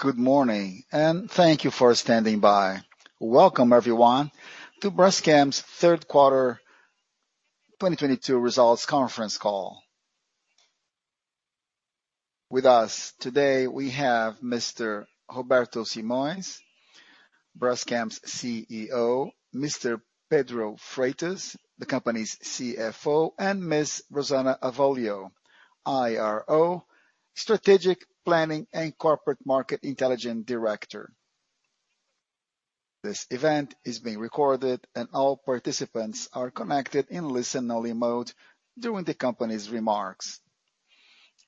Good morning, and thank you for standing by. Welcome everyone to Braskem's third quarter 2022 results conference call. With us today we have Mr. Roberto Simões, Braskem's CEO, Mr. Pedro Freitas, the company's CFO, and Ms. Rosana Avolio, IRO, Strategic Planning and Corporate Market Intelligence Director. This event is being recorded and all participants are connected in listen only mode during the company's remarks.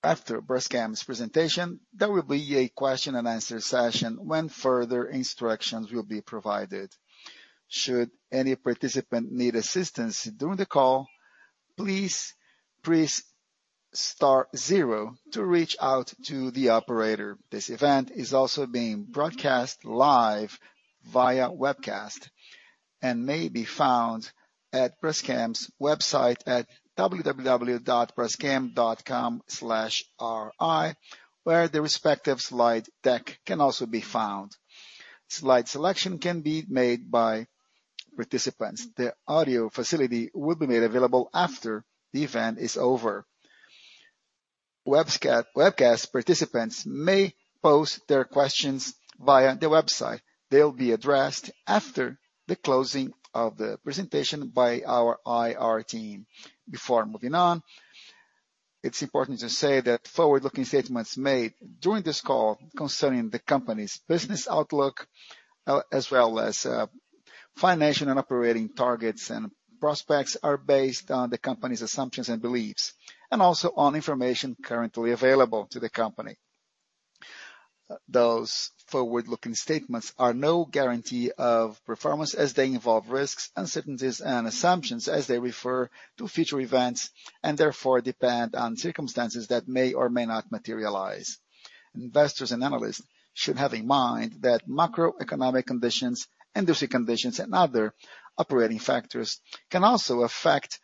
After Braskem's presentation, there will be a question and answer session when further instructions will be provided. Should any participant need assistance during the call, please press star zero to reach out to the operator. This event is also being broadcast live via webcast and may be found at Braskem's website at www.braskem.com/ri, where the respective slide deck can also be found. Slide selection can be made by participants. The audio facility will be made available after the event is over. Webcast participants may pose their questions via the website. They'll be addressed after the closing of the presentation by our IR team. Before moving on, it's important to say that forward-looking statements made during this call concerning the company's business outlook, as well as, financial and operating targets and prospects are based on the company's assumptions and beliefs, and also on information currently available to the company. Those forward-looking statements are no guarantee of performance as they involve risks, uncertainties and assumptions as they refer to future events, and therefore depend on circumstances that may or may not materialize. Investors and analysts should have in mind that macroeconomic conditions, industry conditions and other operating factors can also affect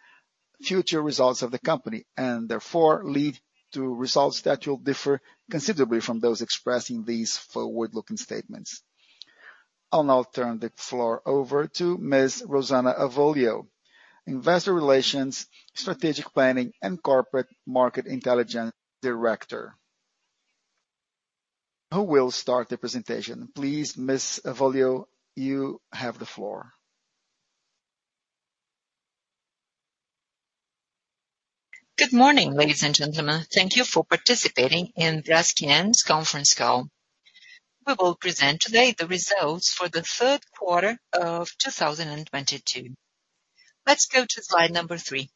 future results of the company, and therefore lead to results that will differ considerably from those expressing these forward-looking statements. I'll now turn the floor over to Ms. Rosana Avolio, Investor Relations, Strategic Planning and Corporate Market Intelligence Director, who will start the presentation. Please, Ms. Avolio, you have the floor. Good morning, ladies and gentlemen. Thank you for participating in Braskem's conference call. We will present today the results for the third quarter of 2022. Let's go to slide number three.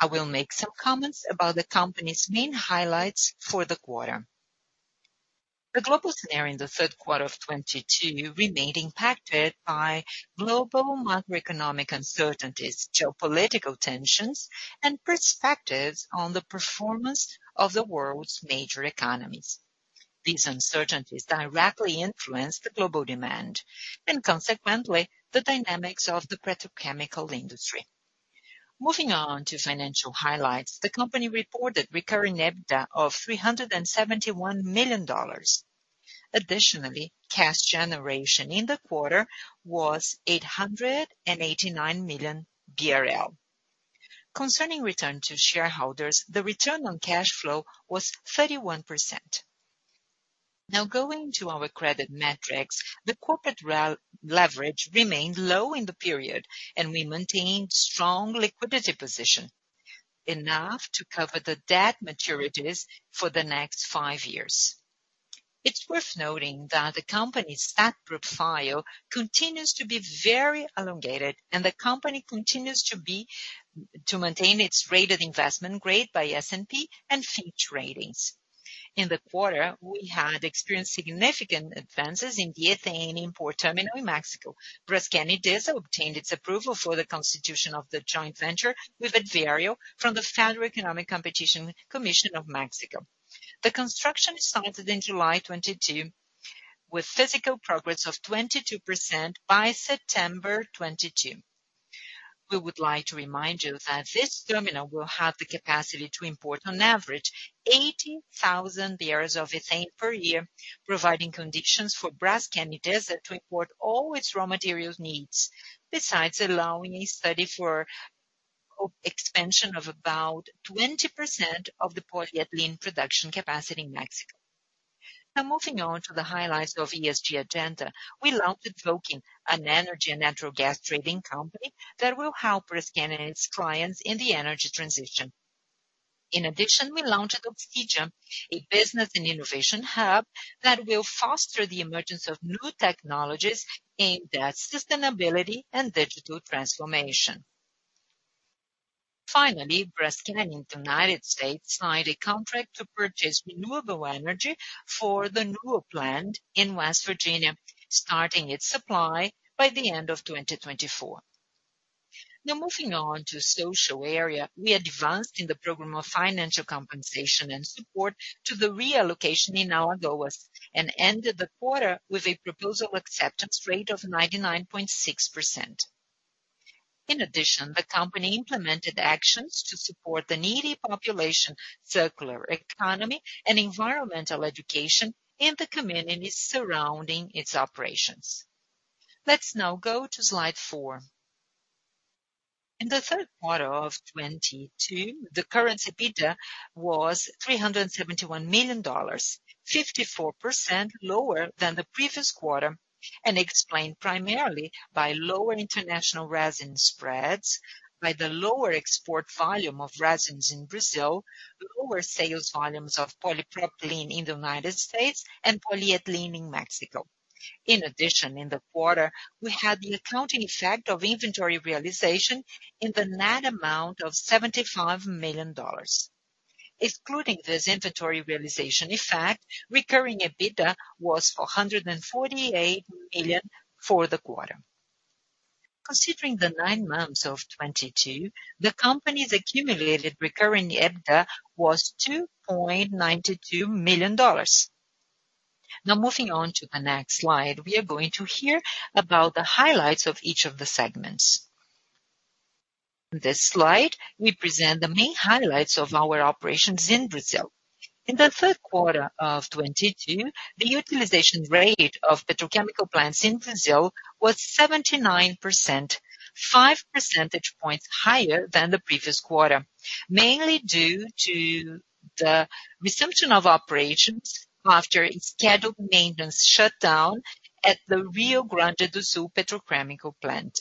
I will make some comments about the company's main highlights for the quarter. The global scenario in the third quarter of 2022 remained impacted by global macroeconomic uncertainties, geopolitical tensions and perspectives on the performance of the world's major economies. These uncertainties directly influenced the global demand and consequently, the dynamics of the petrochemical industry. Moving on to financial highlights, the company reported recurring EBITDA of $371 million. Additionally, cash generation in the quarter was 889 million BRL. Concerning return to shareholders, the return on cash flow was 31%. Now going to our credit metrics, the corporate leverage remained low in the period, and we maintained strong liquidity position, enough to cover the debt maturities for the next five years. It's worth noting that the company's debt profile continues to be very elongated and the company continues to maintain its rated investment grade by S&P and Fitch Ratings. In the quarter, we had experienced significant advances in the Ethane Import Terminal in Mexico. Braskem Idesa obtained its approval for the constitution of the joint venture with Advario from the Federal Economic Competition Commission of Mexico. The construction started in July 2022, with physical progress of 22% by September 2022. We would like to remind you that this terminal will have the capacity to import, on average, 80,000 barrels of ethane per year, providing conditions for Braskem Idesa to import all its raw materials needs. Besides allowing a study for the expansion of about 20% of the polyethylene production capacity in Mexico. Now moving on to the highlights of ESG agenda. We launched Voqen, an energy and natural gas trading company that will help Braskem and its clients in the energy transition. In addition, we launched Oxygea, a business and innovation hub that will foster the emergence of new technologies aimed at sustainability and digital transformation. Finally, Braskem in the United States signed a contract to purchase renewable energy for the Neal plant in West Virginia, starting its supply by the end of 2024. Now moving on to social area. We advanced in the program of financial compensation and support to the reallocation in Alagoas and ended the quarter with a proposal acceptance rate of 99.6%. In addition, the company implemented actions to support the needy population, circular economy and environmental education in the communities surrounding its operations. Let's now go to slide four. In the third quarter of 2022, the recurring EBITDA was $371 million, 54% lower than the previous quarter, and explained primarily by lower international resin spreads, by the lower export volume of resins in Brazil, lower sales volumes of polypropylene in the United States and polyethylene in Mexico. In addition, in the quarter, we had the accounting effect of inventory realization in the net amount of $75 million. Excluding this inventory realization effect, recurring EBITDA was $448 million for the quarter. Considering the nine months of 2022, the company's accumulated recurring EBITDA was $2.92 million. Now moving on to the next slide, we are going to hear about the highlights of each of the segments. This slide, we present the main highlights of our operations in Brazil. In the third quarter of 2022, the utilization rate of petrochemical plants in Brazil was 79%, five percentage points higher than the previous quarter, mainly due to the resumption of operations after its scheduled maintenance shutdown at the Rio Grande do Sul Petrochemical Plant.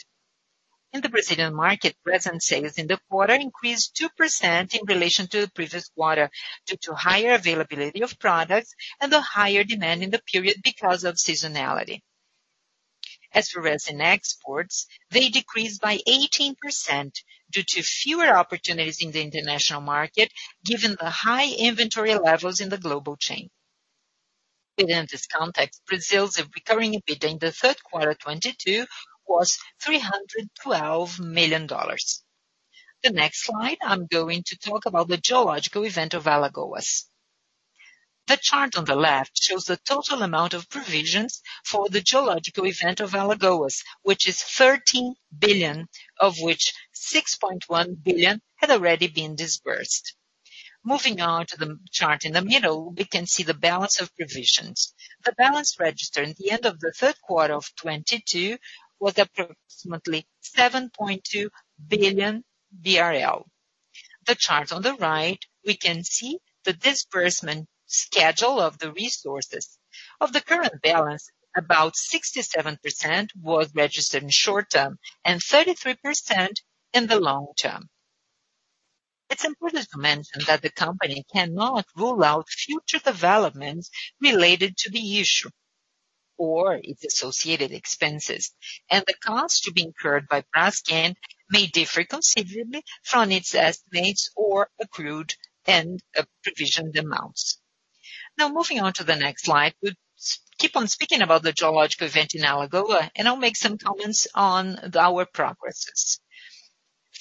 In the Brazilian market, resin sales in the quarter increased 2% in relation to the previous quarter due to higher availability of products and the higher demand in the period because of seasonality. As for resin exports, they decreased by 18% due to fewer opportunities in the international market, given the high inventory levels in the global chain. Within this context, Braskem's recurring EBITDA in the third quarter of 2022 was $312 million. The next slide, I'm going to talk about the geological event of Alagoas. The chart on the left shows the total amount of provisions for the geological event of Alagoas, which is 13 billion, of which 6.1 billion had already been disbursed. Moving on to the chart in the middle, we can see the balance of provisions. The balance registered at the end of the third quarter of 2022 was approximately 7.2 billion BRL. The chart on the right, we can see the disbursement schedule of the resources. Of the current balance, about 67% was registered in short-term and 33% in the long term. It's important to mention that the company cannot rule out future developments related to the issue or its associated expenses, and the cost to be incurred by Braskem may differ considerably from its estimates or accrued and provisioned amounts. Now, moving on to the next slide, we keep on speaking about the geological event in Alagoas, and I'll make some comments on our progress.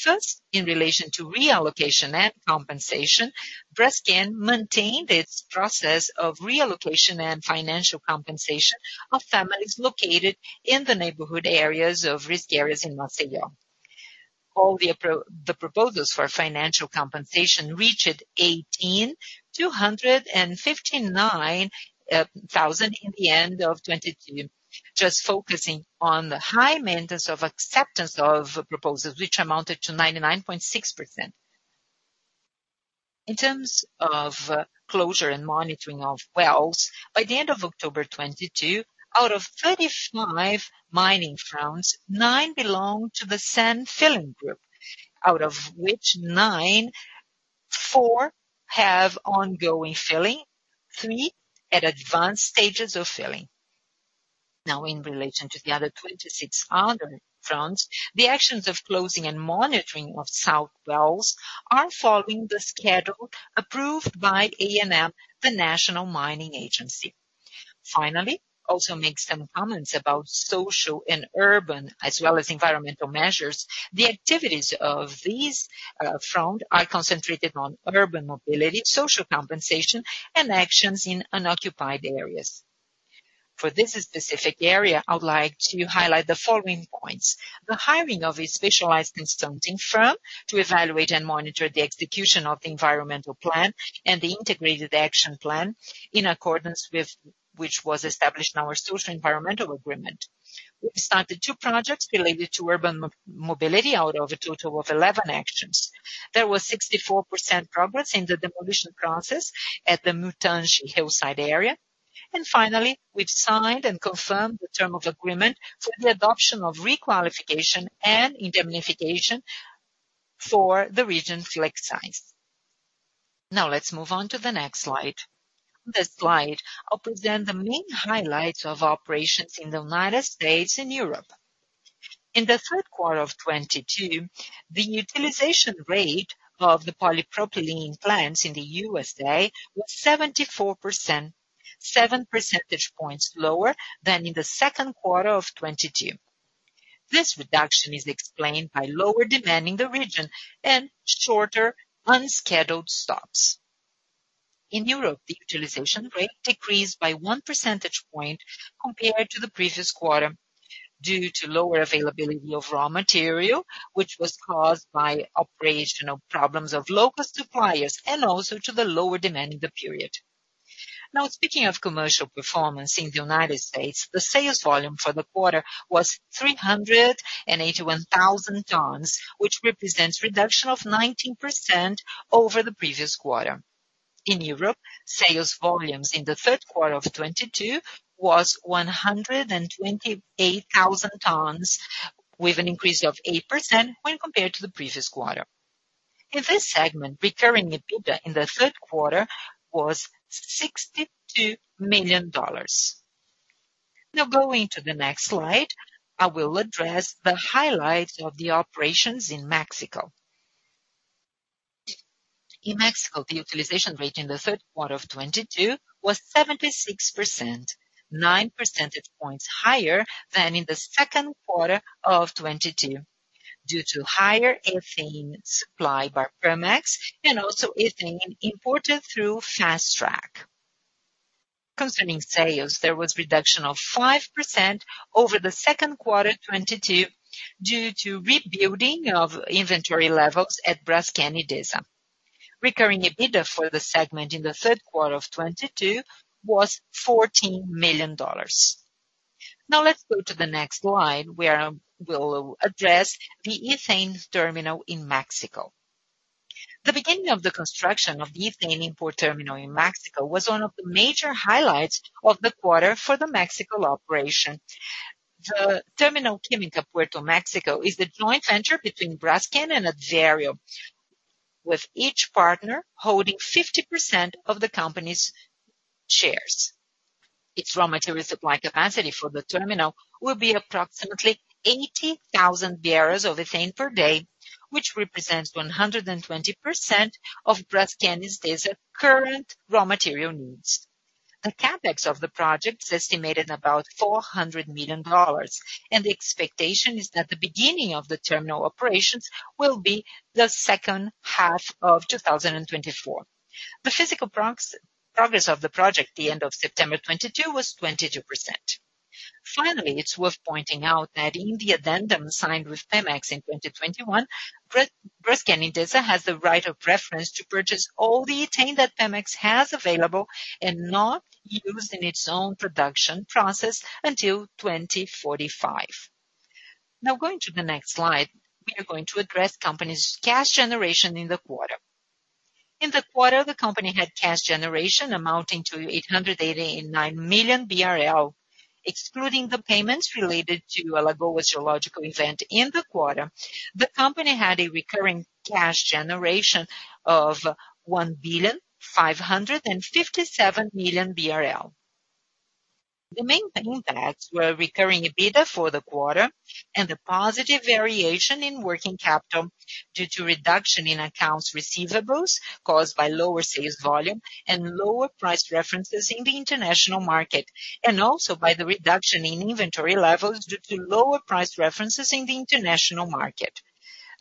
First, in relation to reallocation and compensation, Braskem maintained its process of reallocation and financial compensation of families located in the neighborhood areas of risk areas in Maceió. All the proposals for financial compensation reached 18,259 in the end of 2022. Just focusing on the high rate of acceptance of proposals, which amounted to 99.6%. In terms of closure and monitoring of wells, by the end of October 2022, out of 35 mining fronts, nine belong to the sand filling group, out of which four have ongoing filling, three at advanced stages of filling. Now, in relation to the other 26 fronts, the actions of closing and monitoring of salt wells are following the schedule approved by ANM, the National Mining Agency. Finally, also make some comments about social and urban as well as environmental measures. The activities of these fronts are concentrated on urban mobility, social compensation, and actions in unoccupied areas. For this specific area, I would like to highlight the following points. The hiring of a specialized consulting firm to evaluate and monitor the execution of the environmental plan and the integrated action plan in accordance with which was established in our socio-environmental agreement. We started two projects related to urban mobility out of a total of 11 actions. There was 64% progress in the demolition process at the Mutange hillside area. Finally, we've signed and confirmed the term of agreement for the adoption of requalification and indemnification for the region Flexais. Now, let's move on to the next slide. This slide, I'll present the main highlights of operations in the United States and Europe. In the third quarter of 2022, the utilization rate of the polypropylene plants in the USA was 74%, 7 percentage points lower than in the second quarter of 2022. This reduction is explained by lower demand in the region and shorter unscheduled stops. In Europe, the utilization rate decreased by 1 percentage point compared to the previous quarter due to lower availability of raw material, which was caused by operational problems of local suppliers, and also to the lower demand in the period. Now, speaking of commercial performance in the United States, the sales volume for the quarter was 381,000 tons, which represents reduction of 19% over the previous quarter. In Europe, sales volumes in the third quarter of 2022 was 128,000 tons, with an increase of 8% when compared to the previous quarter. In this segment, recurring EBITDA in the third quarter was $62 million. Now going to the next slide, I will address the highlights of the operations in Mexico. In Mexico, the utilization rate in the third quarter of 2022 was 76%, 9 percentage points higher than in the second quarter of 2022 due to higher ethane supply by Pemex and also ethane imported through Fast Track. Concerning sales, there was reduction of 5% over the second quarter 2022 due to rebuilding of inventory levels at Braskem Idesa. Recurring EBITDA for the segment in the third quarter of 2022 was $14 million. Now let's go to the next slide, where we'll address the ethane terminal in Mexico. The beginning of the construction of the ethane import terminal in Mexico was one of the major highlights of the quarter for the Mexico operation. The Terminal Química Puerto México is the joint venture between Braskem Idesa and Advario, with each partner holding 50% of the company's shares. Its raw material supply capacity for the terminal will be approximately 80,000 barrels of ethane per day, which represents 120% of Braskem Idesa current raw material needs. The CapEx of the project is estimated about $400 million, and the expectation is that the beginning of the terminal operations will be the second half of 2024. The physical progress of the project, the end of September 2022 was 22%. Finally, it's worth pointing out that in the addendum signed with Pemex in 2021, Braskem Idesa has the right of preference to purchase all the ethane that Pemex has available and not used in its own production process until 2045. Now going to the next slide, we are going to address company's cash generation in the quarter. In the quarter, the company had cash generation amounting to 889 million BRL. Excluding the payments related to Alagoas geological event in the quarter, the company had a recurring cash generation of 1,557 million BRL. The main things that were recurring EBITDA for the quarter and the positive variation in working capital due to reduction in accounts receivables caused by lower sales volume and lower price references in the international market, and also by the reduction in inventory levels due to lower price references in the international market.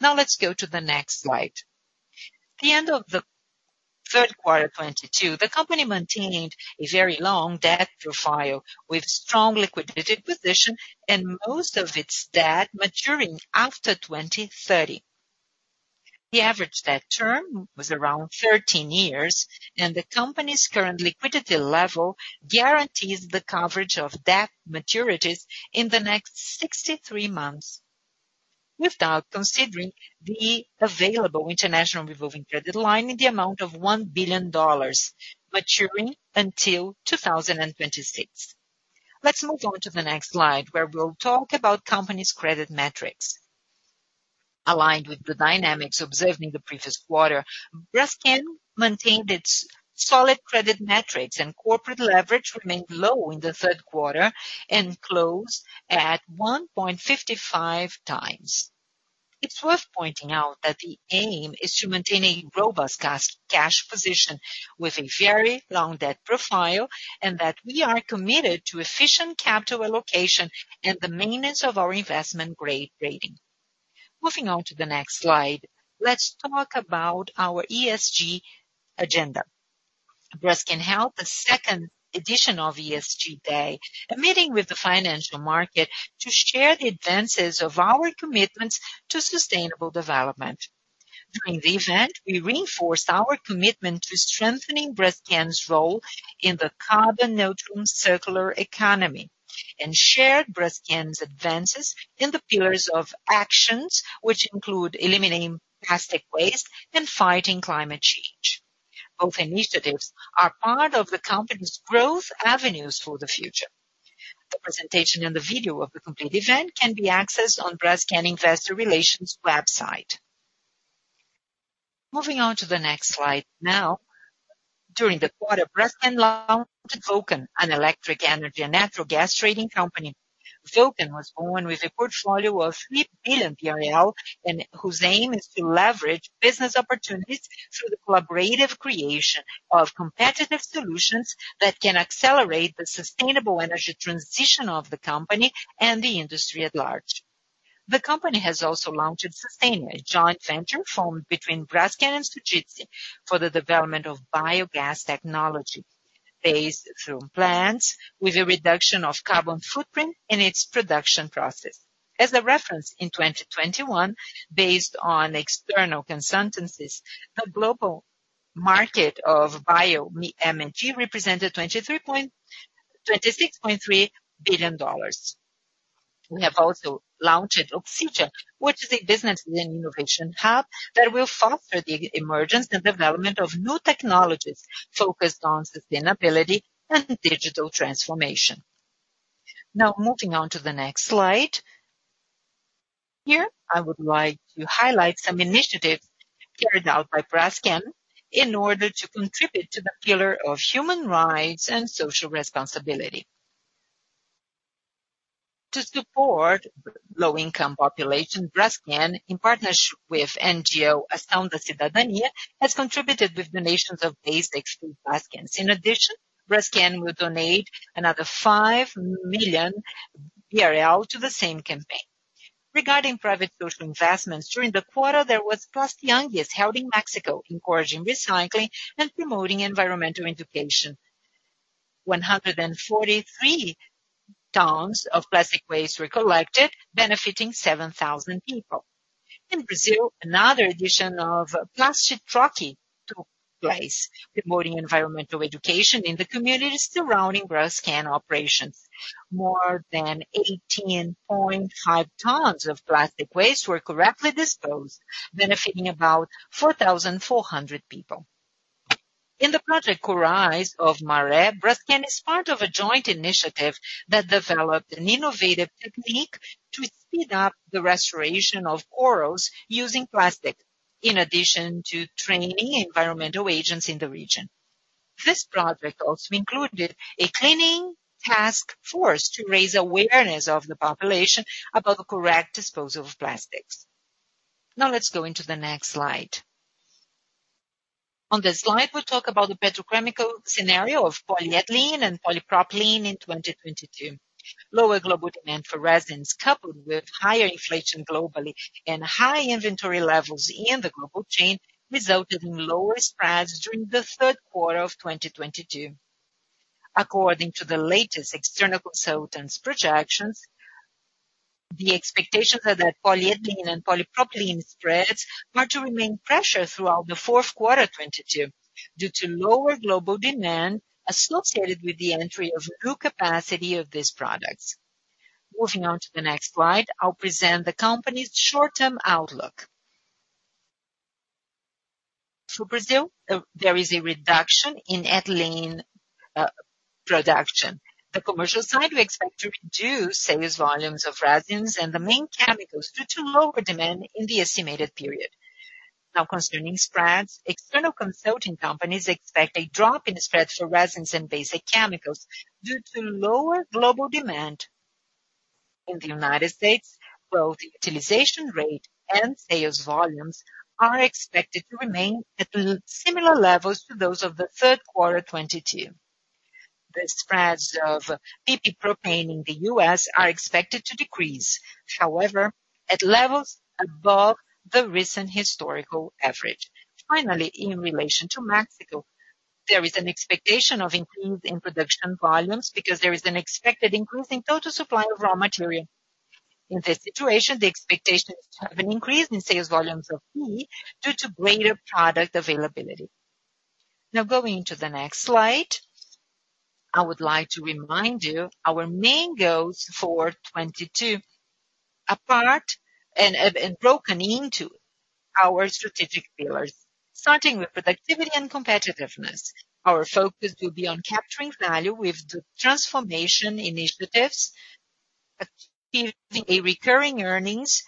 Now let's go to the next slide. At the end of the third quarter 2022, the company maintained a very long debt profile with strong liquidity position and most of its debt maturing after 2030. The average debt term was around 13 years, and the company's current liquidity level guarantees the coverage of debt maturities in the next 63 months, without considering the available international revolving credit line in the amount of $1 billion maturing until 2026. Let's move on to the next slide, where we'll talk about company's credit metrics. Aligned with the dynamics observed in the previous quarter, Braskem maintained its solid credit metrics and corporate leverage remained low in the third quarter and closed at 1.55x. It's worth pointing out that the aim is to maintain a robust cash position with a very long debt profile, and that we are committed to efficient capital allocation and the maintenance of our investment-grade rating. Moving on to the next slide, let's talk about our ESG agenda. Braskem held the second edition of ESG Day, a meeting with the financial market to share the advances of our commitments to sustainable development. During the event, we reinforced our commitment to strengthening Braskem's role in the carbon-neutral circular economy and shared Braskem's advances in the pillars of actions, which include eliminating plastic waste and fighting climate change. Both initiatives are part of the company's growth avenues for the future. The presentation and the video of the complete event can be accessed on Braskem Investor Relations website. Moving on to the next slide now. During the quarter, Braskem launched Voqen, an electric energy and natural gas trading company. Voqen was born with a portfolio of 3 billion, whose aim is to leverage business opportunities through the collaborative creation of competitive solutions that can accelerate the sustainable energy transition of the company and the industry at large. The company has also launched a sustainable joint venture formed between Braskem and Fujitsu for the development of biogas technology based from plants with a reduction of carbon footprint in its production process. As a reference, in 2021, based on external consultancies, the global market of bio-MEG represented $26.3 billion. We have also launched Oxygea, which is a business and innovation hub that will foster the emergence and development of new technologies focused on sustainability and digital transformation. Now moving on to the next slide. Here, I would like to highlight some initiatives carried out by Braskem in order to contribute to the pillar of human rights and social responsibility. To support low-income population, Braskem, in partnership with NGO has contributed with donations of basic food baskets. In addition, Braskem will donate another 5 million BRL to the same campaign. Regarding private social investments, during the quarter there was Plastianguis held in Mexico, encouraging recycling and promoting environmental education. 143 tons of plastic waste were collected, benefiting 7,000 people. In Brazil, another edition of Plasticoletivo took place, promoting environmental education in the communities surrounding Braskem operations. More than 18.5 tons of plastic waste were correctly disposed, benefiting about 4,400 people. In the Corais de Maré project, Braskem is part of a joint initiative that developed an innovative technique to speed up the restoration of corals using plastic, in addition to training environmental agents in the region. This project also included a cleaning task force to raise awareness of the population about the correct disposal of plastics. Now let's go into the next slide. On this slide, we'll talk about the petrochemical scenario of polyethylene and polypropylene in 2022. Lower global demand for resins, coupled with higher inflation globally and high inventory levels in the global chain, resulted in lower spreads during the third quarter of 2022. According to the latest external consultants' projections, the expectations are that polyethylene and polypropylene spreads are to remain pressured throughout the fourth quarter 2022 due to lower global demand associated with the entry of new capacity of these products. Moving on to the next slide, I'll present the company's short-term outlook. For Brazil, there is a reduction in ethylene production. The commercial side, we expect to reduce sales volumes of resins and the main chemicals due to lower demand in the estimated period. Now concerning spreads, external consulting companies expect a drop in spreads for resins and basic chemicals due to lower global demand. In the United States, both utilization rate and sales volumes are expected to remain at similar levels to those of the third quarter 2022. The spreads of PP-propane in the U.S. are expected to decrease, however, at levels above the recent historical average. Finally, in relation to Mexico, there is an expectation of increase in production volumes because there is an expected increase in total supply of raw material. In this situation, the expectation is to have an increase in sales volumes of PE due to greater product availability. Now going to the next slide, I would like to remind you of our main goals for 2022 and broken into our strategic pillars. Starting with productivity and competitiveness, our focus will be on capturing value with the transformation initiatives, achieving a recurring earnings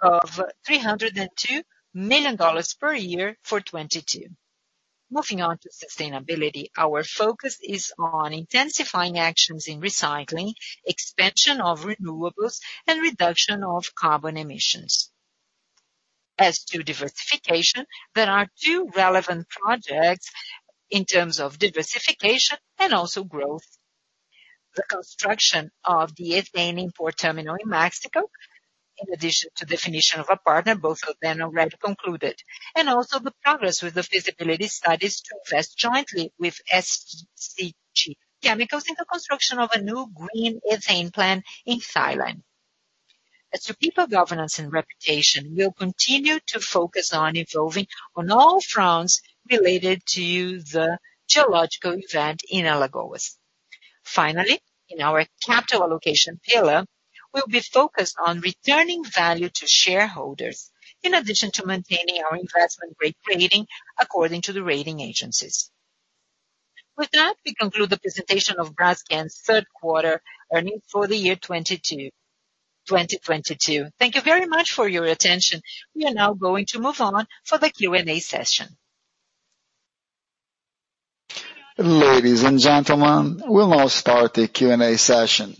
of $302 million per year for 2022. Moving on to sustainability, our focus is on intensifying actions in recycling, expansion of renewables, and reduction of carbon emissions. As to diversification, there are two relevant projects in terms of diversification and also growth. The construction of the ethane import terminal in Mexico, in addition to definition of a partner, both of them already concluded, and also the progress with the feasibility studies to invest jointly with SCG Chemicals in the construction of a new green ethylene plant in Thailand. As to people, governance, and reputation, we'll continue to focus on evolving on all fronts related to the geological event in Alagoas. Finally, in our capital allocation pillar, we'll be focused on returning value to shareholders, in addition to maintaining our investment grade rating according to the rating agencies. With that, we conclude the presentation of Braskem's third quarter earnings for the year 2022. Thank you very much for your attention. We are now going to move on for the Q&A session. Ladies and gentlemen, we'll now start the Q&A session.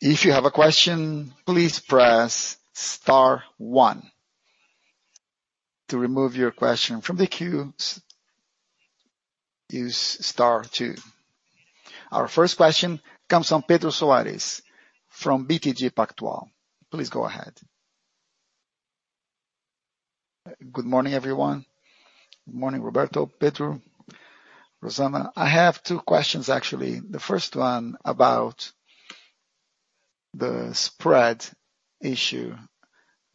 If you have a question, please press star one. To remove your question from the queue, use star two. Our first question comes from Pedro Soares from BTG Pactual. Please go ahead. Good morning, everyone. Good morning, Roberto, Pedro, Rosana. I have two questions, actually. The first one about the spread issue.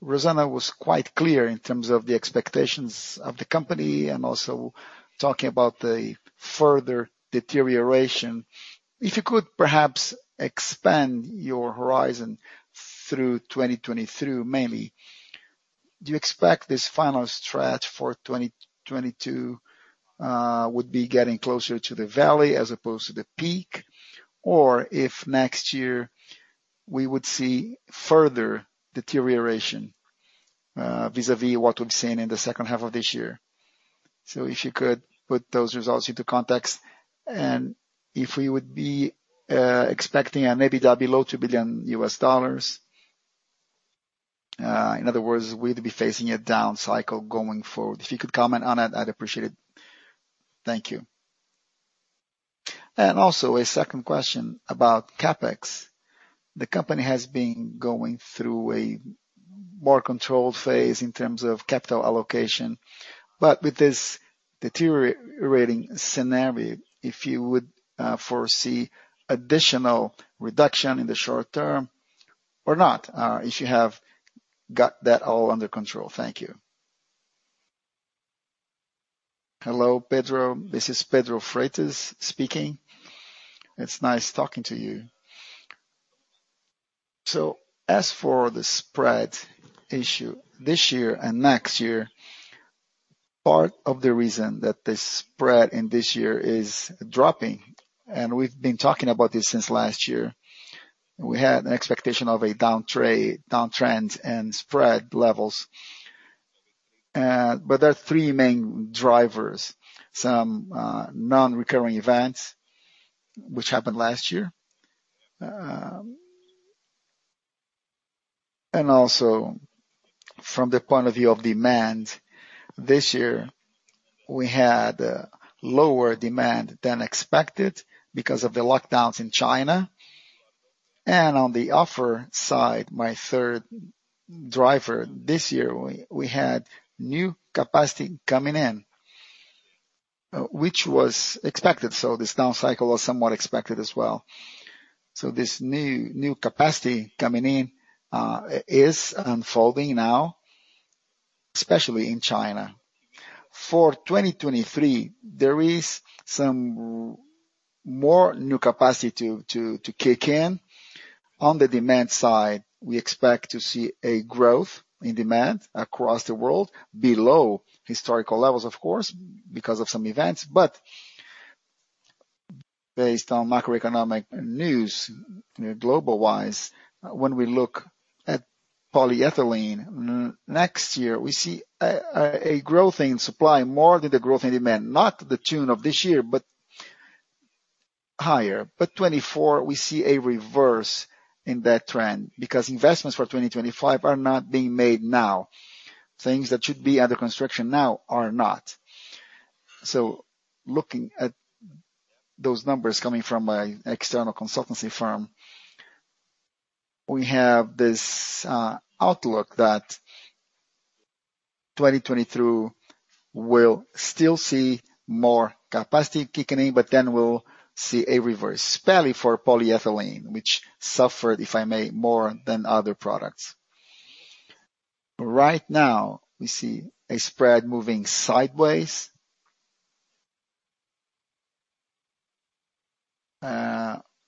Rosana was quite clear in terms of the expectations of the company and also talking about the further deterioration. If you could perhaps expand your horizon through 2024 mainly, do you expect this final stretch for 2022 would be getting closer to the valley as opposed to the peak? Or if next year we would see further deterioration vis-a-vis what we've seen in the second half of this year. If you could put those results into context and if we would be expecting an EBITDA below $2 billion. In other words, will we be facing a down cycle going forward? If you could comment on it, I'd appreciate it. Thank you. Also a second question about CapEx. The company has been going through a more controlled phase in terms of capital allocation, but with this deteriorating scenario, if you would foresee additional reduction in the short term or not, if you have got that all under control. Thank you. Hello, Pedro. This is Pedro Freitas speaking. It's nice talking to you. As for the spread issue this year and next year, part of the reason that the spread in this year is dropping, and we've been talking about this since last year, we had an expectation of a downtrend and spread levels. There are three main drivers, some non-recurring events which happened last year. Also from the point of view of demand, this year we had lower demand than expected because of the lockdowns in China. On the supply side, my third driver this year, we had new capacity coming in, which was expected, so this down cycle was somewhat expected as well. This new capacity coming in is unfolding now, especially in China. For 2023, there is some more new capacity to kick in. On the demand side, we expect to see a growth in demand across the world below historical levels, of course, because of some events. Based on macroeconomic news global wise, when we look at polyethylene next year, we see a growth in supply more than the growth in demand, not to the tune of this year, but higher. 2024, we see a reverse in that trend because investments for 2025 are not being made now. Things that should be under construction now are not. Looking at those numbers coming from an external consultancy firm, we have this outlook that 2022 will still see more capacity kicking in, but then we'll see a reverse, especially for polyethylene, which suffered, if I may, more than other products. Right now, we see a spread moving sideways.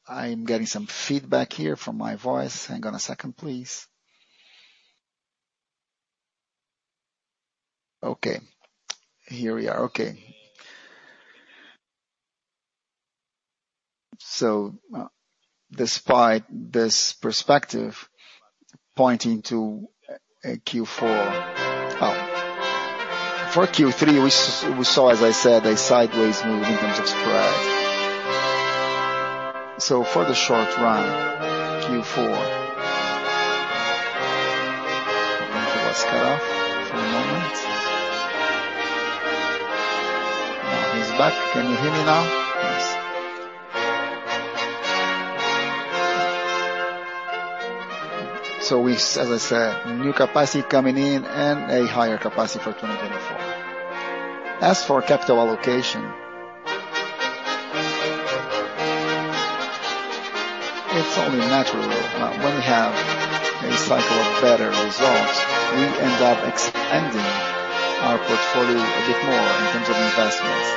I'm getting some feedback here from my voice. Hang on a second, please. Okay, here we are. Okay. Despite this perspective pointing to a Q4. For Q3, we saw, as I said, a sideways move in terms of spread. For the short run, Q4. I think I was cut off for a moment. Now he's back. Can you hear me now? Yes. As I said, new capacity coming in and a higher capacity for 2024. As for capital allocation, it's only natural. When we have a cycle of better results, we end up expanding our portfolio a bit more in terms of investments.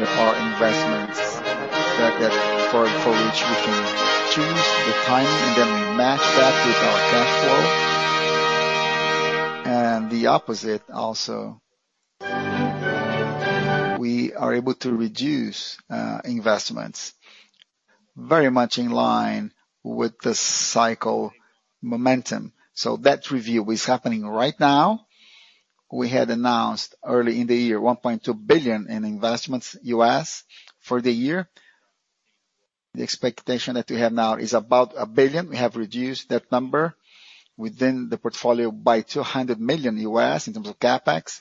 There are investments that for which we can choose the timing, and then we match that with our cash flow, and the opposite also. We are able to reduce investments very much in line with the cycle momentum. That review is happening right now. We had announced early in the year $1.2 billion in investments for the year. The expectation that we have now is about $1 billion. We have reduced that number within the portfolio by $200 million in terms of CapEx,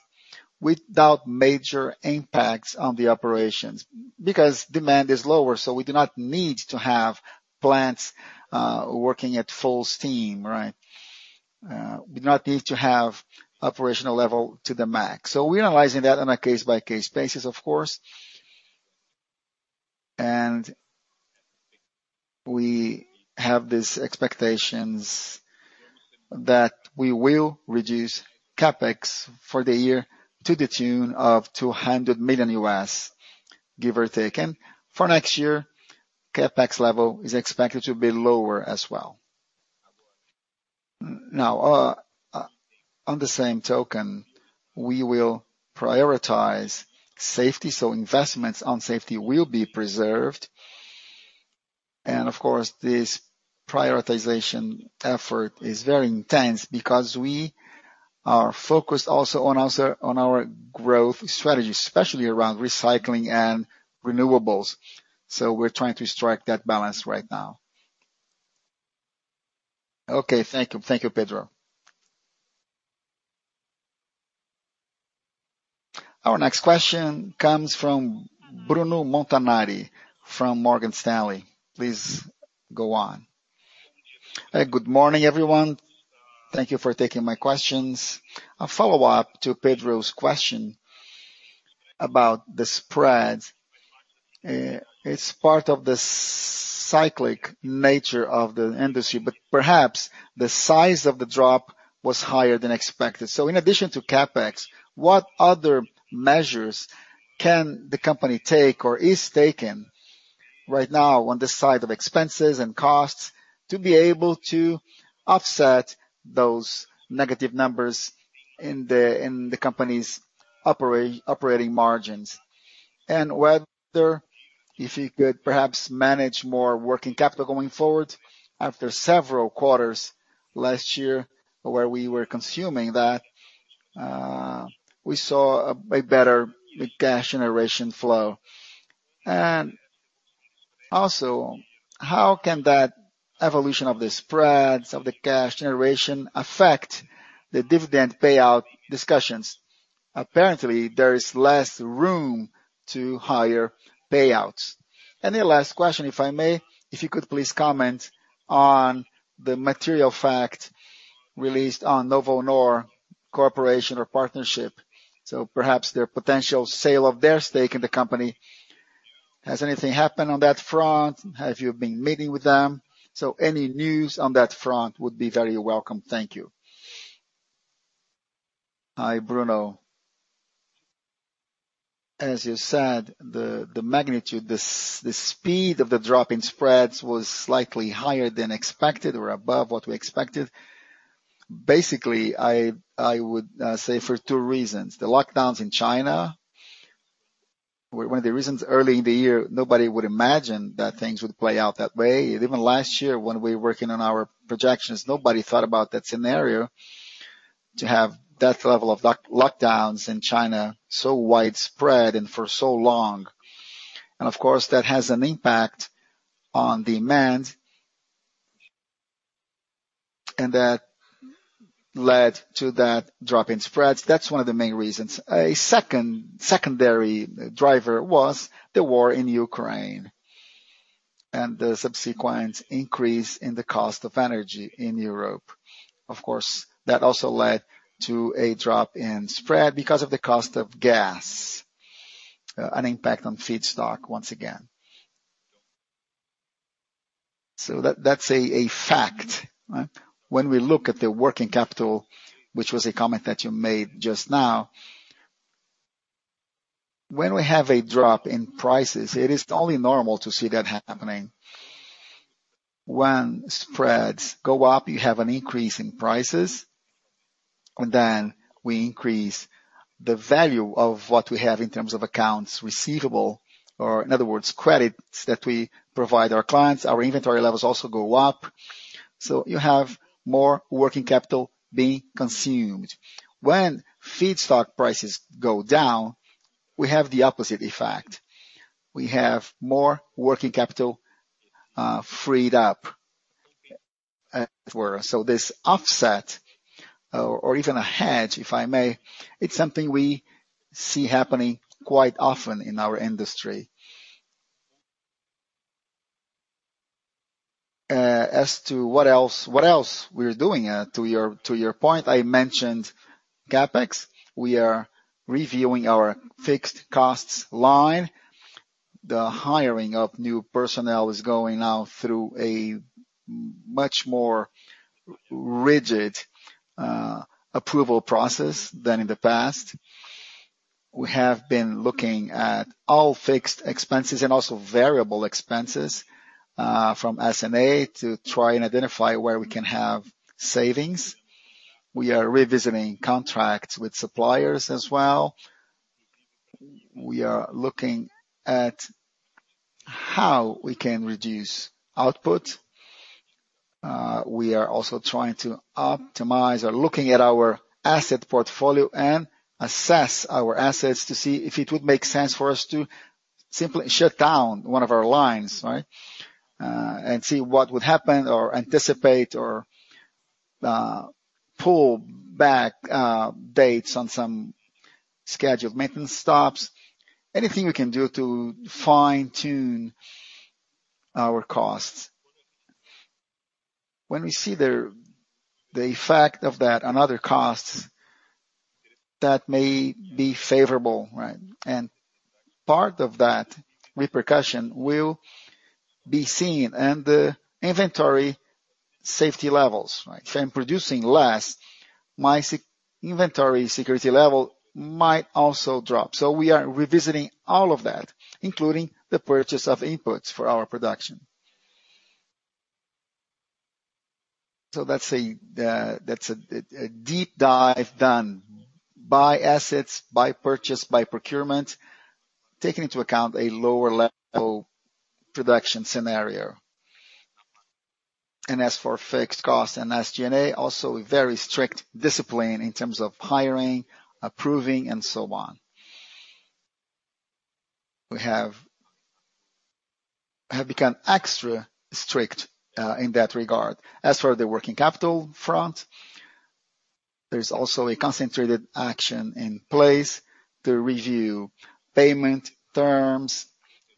without major impacts on the operations. Because demand is lower, so we do not need to have plants working at full steam, right? We do not need to have operational level to the max. We're analyzing that on a case-by-case basis, of course. We have these expectations that we will reduce CapEx for the year to the tune of $200 million, give or take. For next year, CapEx level is expected to be lower as well. Now, on the same token, we will prioritize safety, so investments on safety will be preserved. Of course, this prioritization effort is very intense because we are focused also on our growth strategy, especially around recycling and renewables. We're trying to strike that balance right now. Okay. Thank you. Thank you, Pedro. Our next question comes from Bruno Montanari from Morgan Stanley. Please go on. Good morning, everyone. Thank you for taking my questions. A follow-up to Pedro's question about the spreads. It's part of the cyclic nature of the industry, but perhaps the size of the drop was higher than expected. In addition to CapEx, what other measures can the company take or is taken right now on the side of expenses and costs to be able to offset those negative numbers in the company's operating margins? Whether if you could perhaps manage more working capital going forward after several quarters last year where we were consuming that, we saw a better cash generation flow. How can that evolution of the spreads, of the cash generation affect the dividend payout discussions? Apparently, there is less room to higher payouts. A last question, if I may. If you could please comment on the material fact released on Novonor corporation or partnership, so perhaps their potential sale of their stake in the company. Has anything happened on that front? Have you been meeting with them? Any news on that front would be very welcome. Thank you. Hi, Bruno. As you said, the magnitude, the speed of the drop in spreads was slightly higher than expected or above what we expected. Basically, I would say for two reasons. The lockdowns in China. One of the reasons early in the year, nobody would imagine that things would play out that way. Even last year, when we were working on our projections, nobody thought about that scenario, to have that level of lockdowns in China so widespread and for so long. Of course, that has an impact on demand, and that led to that drop in spreads. That's one of the main reasons. A second driver was the war in Ukraine and the subsequent increase in the cost of energy in Europe. Of course, that also led to a drop in spread because of the cost of gas, an impact on feedstock once again. That, that's a fact. When we look at the working capital, which was a comment that you made just now. When we have a drop in prices, it is only normal to see that happening. When spreads go up, you have an increase in prices, and then we increase the value of what we have in terms of accounts receivable, or in other words, credits that we provide our clients. Our inventory levels also go up. You have more working capital being consumed. When feedstock prices go down, we have the opposite effect. We have more working capital freed up. This offset, or even a hedge, if I may, is something we see happening quite often in our industry. As to what else we're doing, to your point, I mentioned CapEx. We are reviewing our fixed costs line. The hiring of new personnel is going now through a much more rigid approval process than in the past. We have been looking at all fixed expenses and also variable expenses from SG&A to try and identify where we can have savings. We are revisiting contracts with suppliers as well. We are looking at how we can reduce output. We are also trying to optimize or looking at our asset portfolio and assess our assets to see if it would make sense for us to simply shut down one of our lines, right, and see what would happen, or pull back dates on some scheduled maintenance stops. Anything we can do to fine-tune our costs. When we see the effect of that on other costs, that may be favorable, right? Part of that repercussion will be seen in the inventory safety levels, right? If I'm producing less, my safety inventory security level might also drop. We are revisiting all of that, including the purchase of inputs for our production. That's a deep dive done by assets, by purchase, by procurement, taking into account a lower level production scenario. As for fixed costs and SG&A, also a very strict discipline in terms of hiring, approving, and so on. We have become extra strict in that regard. As for the working capital front, there's also a concentrated action in place to review payment terms,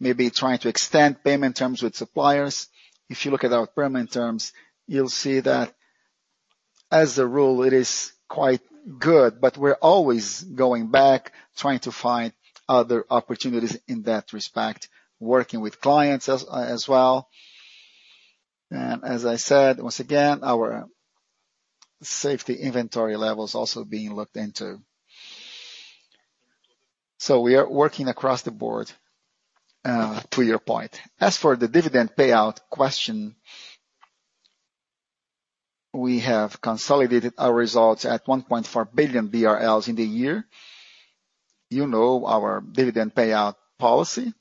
maybe try to extend payment terms with suppliers. If you look at our payment terms, you'll see that as a rule, it is quite good, but we're always going back, trying to find other opportunities in that respect, working with clients as well. As I said, once again, our safety inventory levels also being looked into. We are working across the board to your point. As for the dividend payout question, we have consolidated our results at 1.4 billion BRL in the year. You know our dividend payout policy.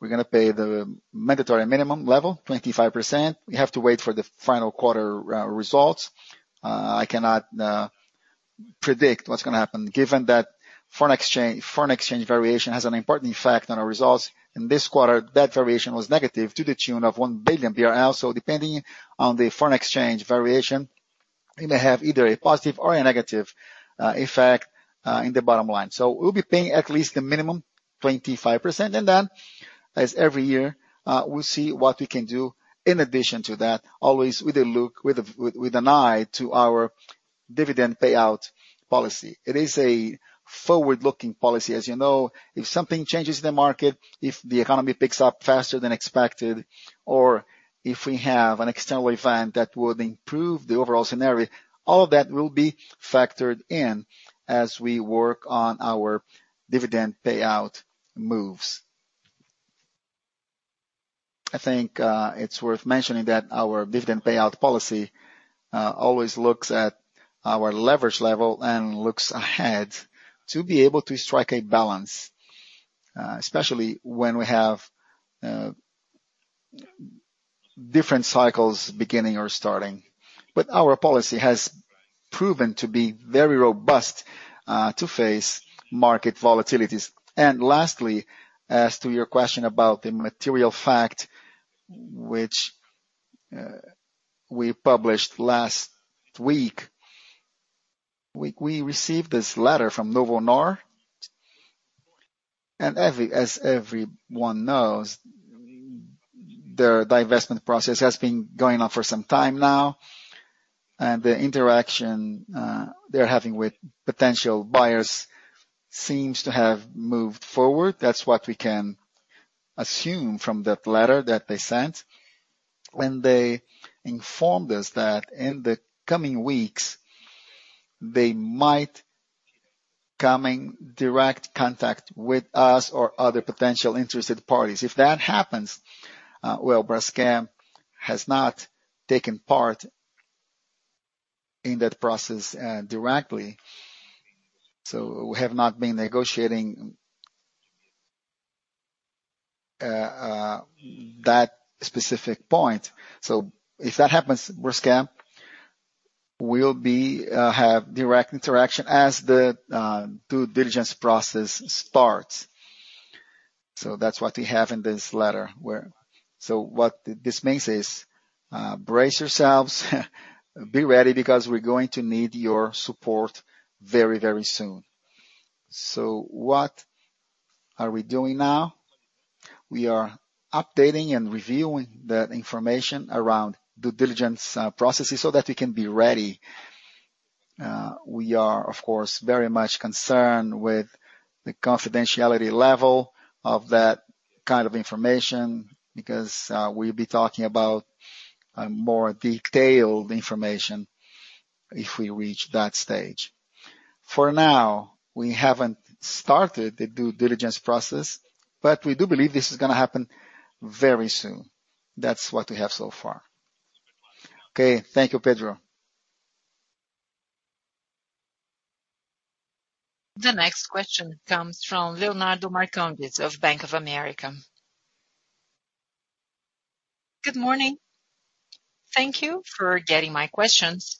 We're gonna pay the mandatory minimum level, 25%. We have to wait for the final quarter results. I cannot predict what's gonna happen, given that foreign exchange variation has an important effect on our results. In this quarter, that variation was negative to the tune of 1 billion BRL. Depending on the foreign exchange variation, we may have either a positive or a negative effect in the bottom line. We'll be paying at least the minimum 25%. Then as every year, we'll see what we can do in addition to that, always with a look with an eye to our dividend payout policy. It is a forward-looking policy. As you know, if something changes in the market, if the economy picks up faster than expected, or if we have an external event that would improve the overall scenario, all of that will be factored in as we work on our dividend payout moves. I think, it's worth mentioning that our dividend payout policy, always looks at our leverage level and looks ahead to be able to strike a balance, especially when we have, different cycles beginning or starting. Our policy has proven to be very robust, to face market volatilities. Lastly, as to your question about the material fact which, we published last week. We received this letter from Novonor. As everyone knows, their divestment process has been going on for some time now, and the interaction they're having with potential buyers seems to have moved forward. That's what we can assume from that letter that they sent. When they informed us that in the coming weeks they might come in direct contact with us or other potential interested parties. If that happens, well, Braskem has not taken part in that process directly, so we have not been negotiating that specific point. If that happens, Braskem will have direct interaction as the due diligence process starts. That's what we have in this letter where what this means is, brace yourselves, be ready, because we're going to need your support very, very soon. What are we doing now? We are updating and reviewing the information around due diligence processes so that we can be ready. We are of course very much concerned with the confidentiality level of that kind of information because we'll be talking about more detailed information if we reach that stage. For now, we haven't started the due diligence process, but we do believe this is gonna happen very soon. That's what we have so far. Okay. Thank you, Pedro. The next question comes from Leonardo Marcondes of Bank of America. Good morning. Thank you for taking my questions.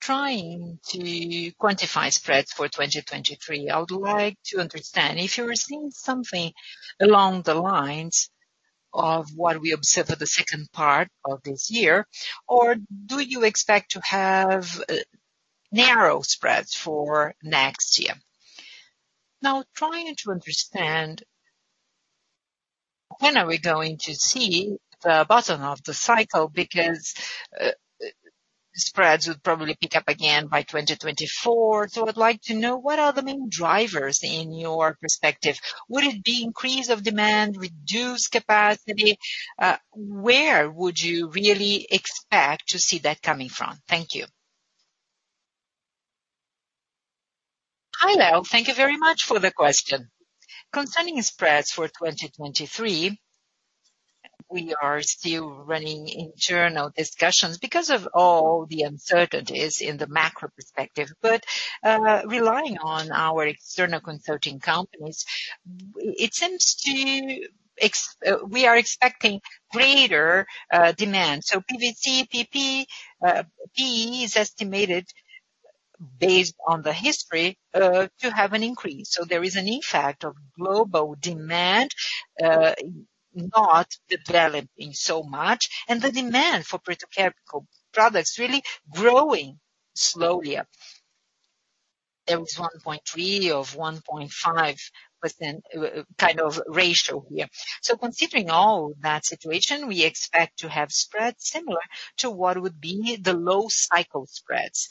Trying to quantify spreads for 2023, I would like to understand if you were seeing something along the lines of what we observe for the second part of this year, or do you expect to have narrow spreads for next year? Now trying to understand when are we going to see the bottom of the cycle because spreads would probably pick up again by 2024. I'd like to know what are the main drivers in your perspective. Would it be increase of demand, reduced capacity? Where would you really expect to see that coming from? Thank you. Hi, Leo. Thank you very much for the question. Concerning spreads for 2023, we are still running internal discussions because of all the uncertainties in the macro perspective. Relying on our external consulting companies, it seems we are expecting greater demand. PVC, PE is estimated based on the history to have an increase. There is an effect of global demand not developing so much, and the demand for petrochemical products really growing slowly up. It was 1.3 of 1.5 within kind of ratio here. Considering all that situation, we expect to have spreads similar to what would be the low cycle spreads.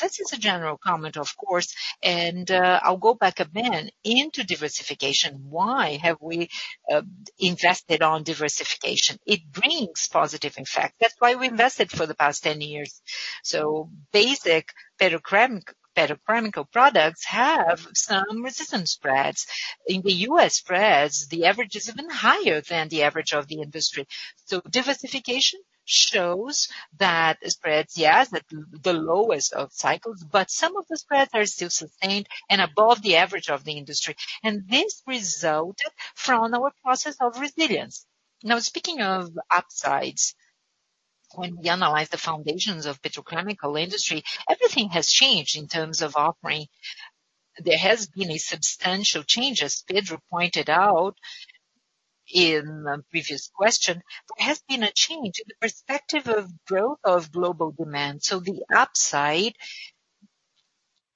This is a general comment, of course, and I'll go back again into diversification. Why have we invested on diversification? It brings positive effect. That's why we invested for the past 10 years. Basic petrochemical products have some resilient spreads. In the U.S. spreads, the average is even higher than the average of the industry. Diversification shows that spreads, yes, at the lowest of cycles, but some of the spreads are still sustained and above the average of the industry. This resulted from our process of resilience. Now speaking of upsides, when we analyze the fundamentals of petrochemical industry, everything has changed in terms of offering. There has been a substantial change, as Pedro pointed out in a previous question. There has been a change in the perspective of growth of global demand. The upside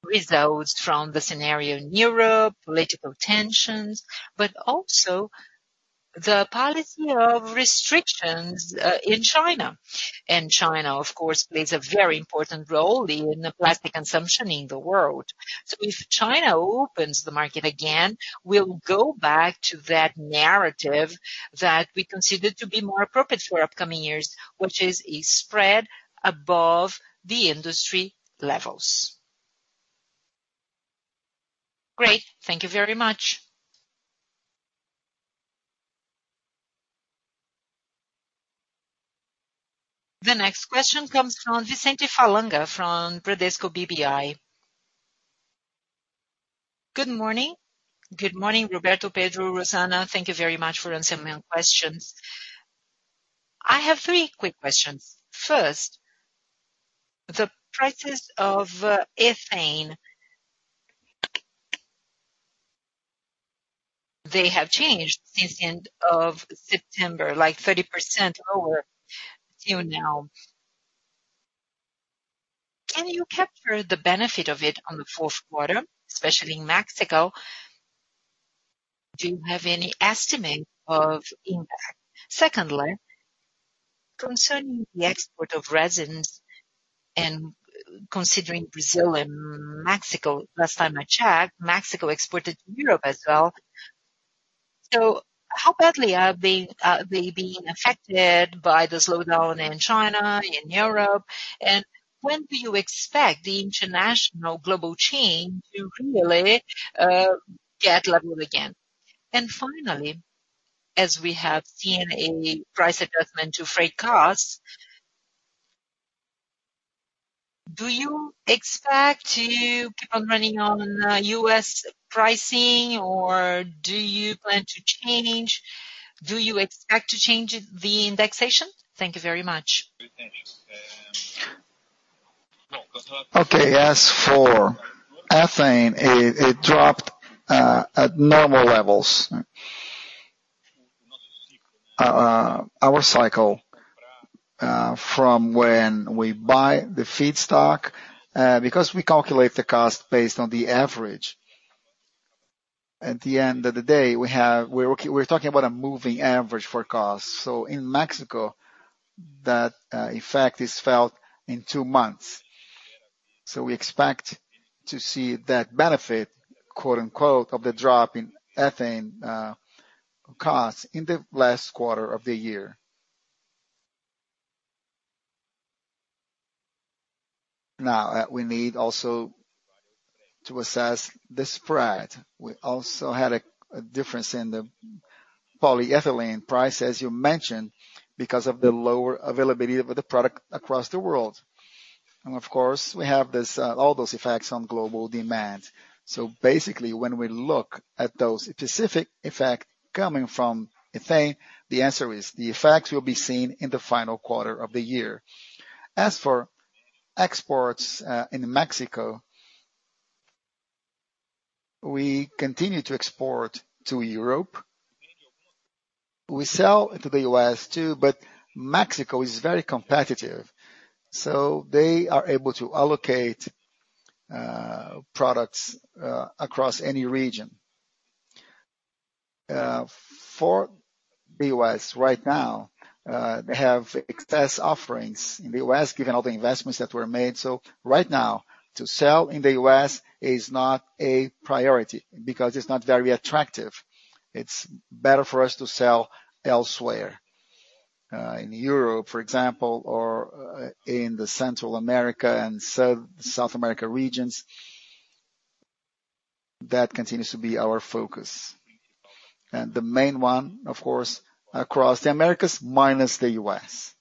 results from the scenario in Europe, political tensions, but also the policy of restrictions in China. China, of course, plays a very important role in the plastic consumption in the world. If China opens the market again, we'll go back to that narrative that we consider to be more appropriate for upcoming years, which is a spread above the industry levels. Great. Thank you very much. The next question comes from Vicente Falanga from Bradesco BBI. Good morning. Good morning, Roberto, Pedro, Rosana. Thank you very much for answering my questions. I have three quick questions. First, the prices of ethane, they have changed since the end of September, like 30% up till now. Can you capture the benefit of it on the fourth quarter, especially in Mexico? Do you have any estimate of impact? Secondly, concerning the export of resins and considering Brazil and Mexico, last time I checked, Mexico exported to Europe as well. How badly are they being affected by the slowdown in China, in Europe? When do you expect the international global chain to really get level again? Finally, as we have seen a price adjustment to freight costs, do you expect to keep on running on U.S. pricing, or do you expect to change the indexation? Thank you very much. Okay. As for ethane, it dropped at normal levels. Our cycle from when we buy the feedstock because we calculate the cost based on the average. At the end of the day, we're talking about a moving average for cost. In Mexico, that effect is felt in two months. We expect to see that benefit, quote-unquote, of the drop in ethane costs in the last quarter of the year. Now, we need also to assess the spread. We also had a difference in the polyethylene price, as you mentioned, because of the lower availability of the product across the world. Of course, we have this all those effects on global demand. Basically, when we look at those specific effect coming from ethane, the answer is the effects will be seen in the final quarter of the year. As for exports, in Mexico, we continue to export to Europe. We sell into the U.S. too, but Mexico is very competitive, so they are able to allocate products across any region. For the U.S. right now, they have excess offerings in the U.S., given all the investments that were made. Right now, to sell in the U.S. is not a priority because it's not very attractive. It's better for us to sell elsewhere. In Europe, for example, or in the Central America and South America regions, that continues to be our focus. The main one, of course, across the Americas, minus the U.S.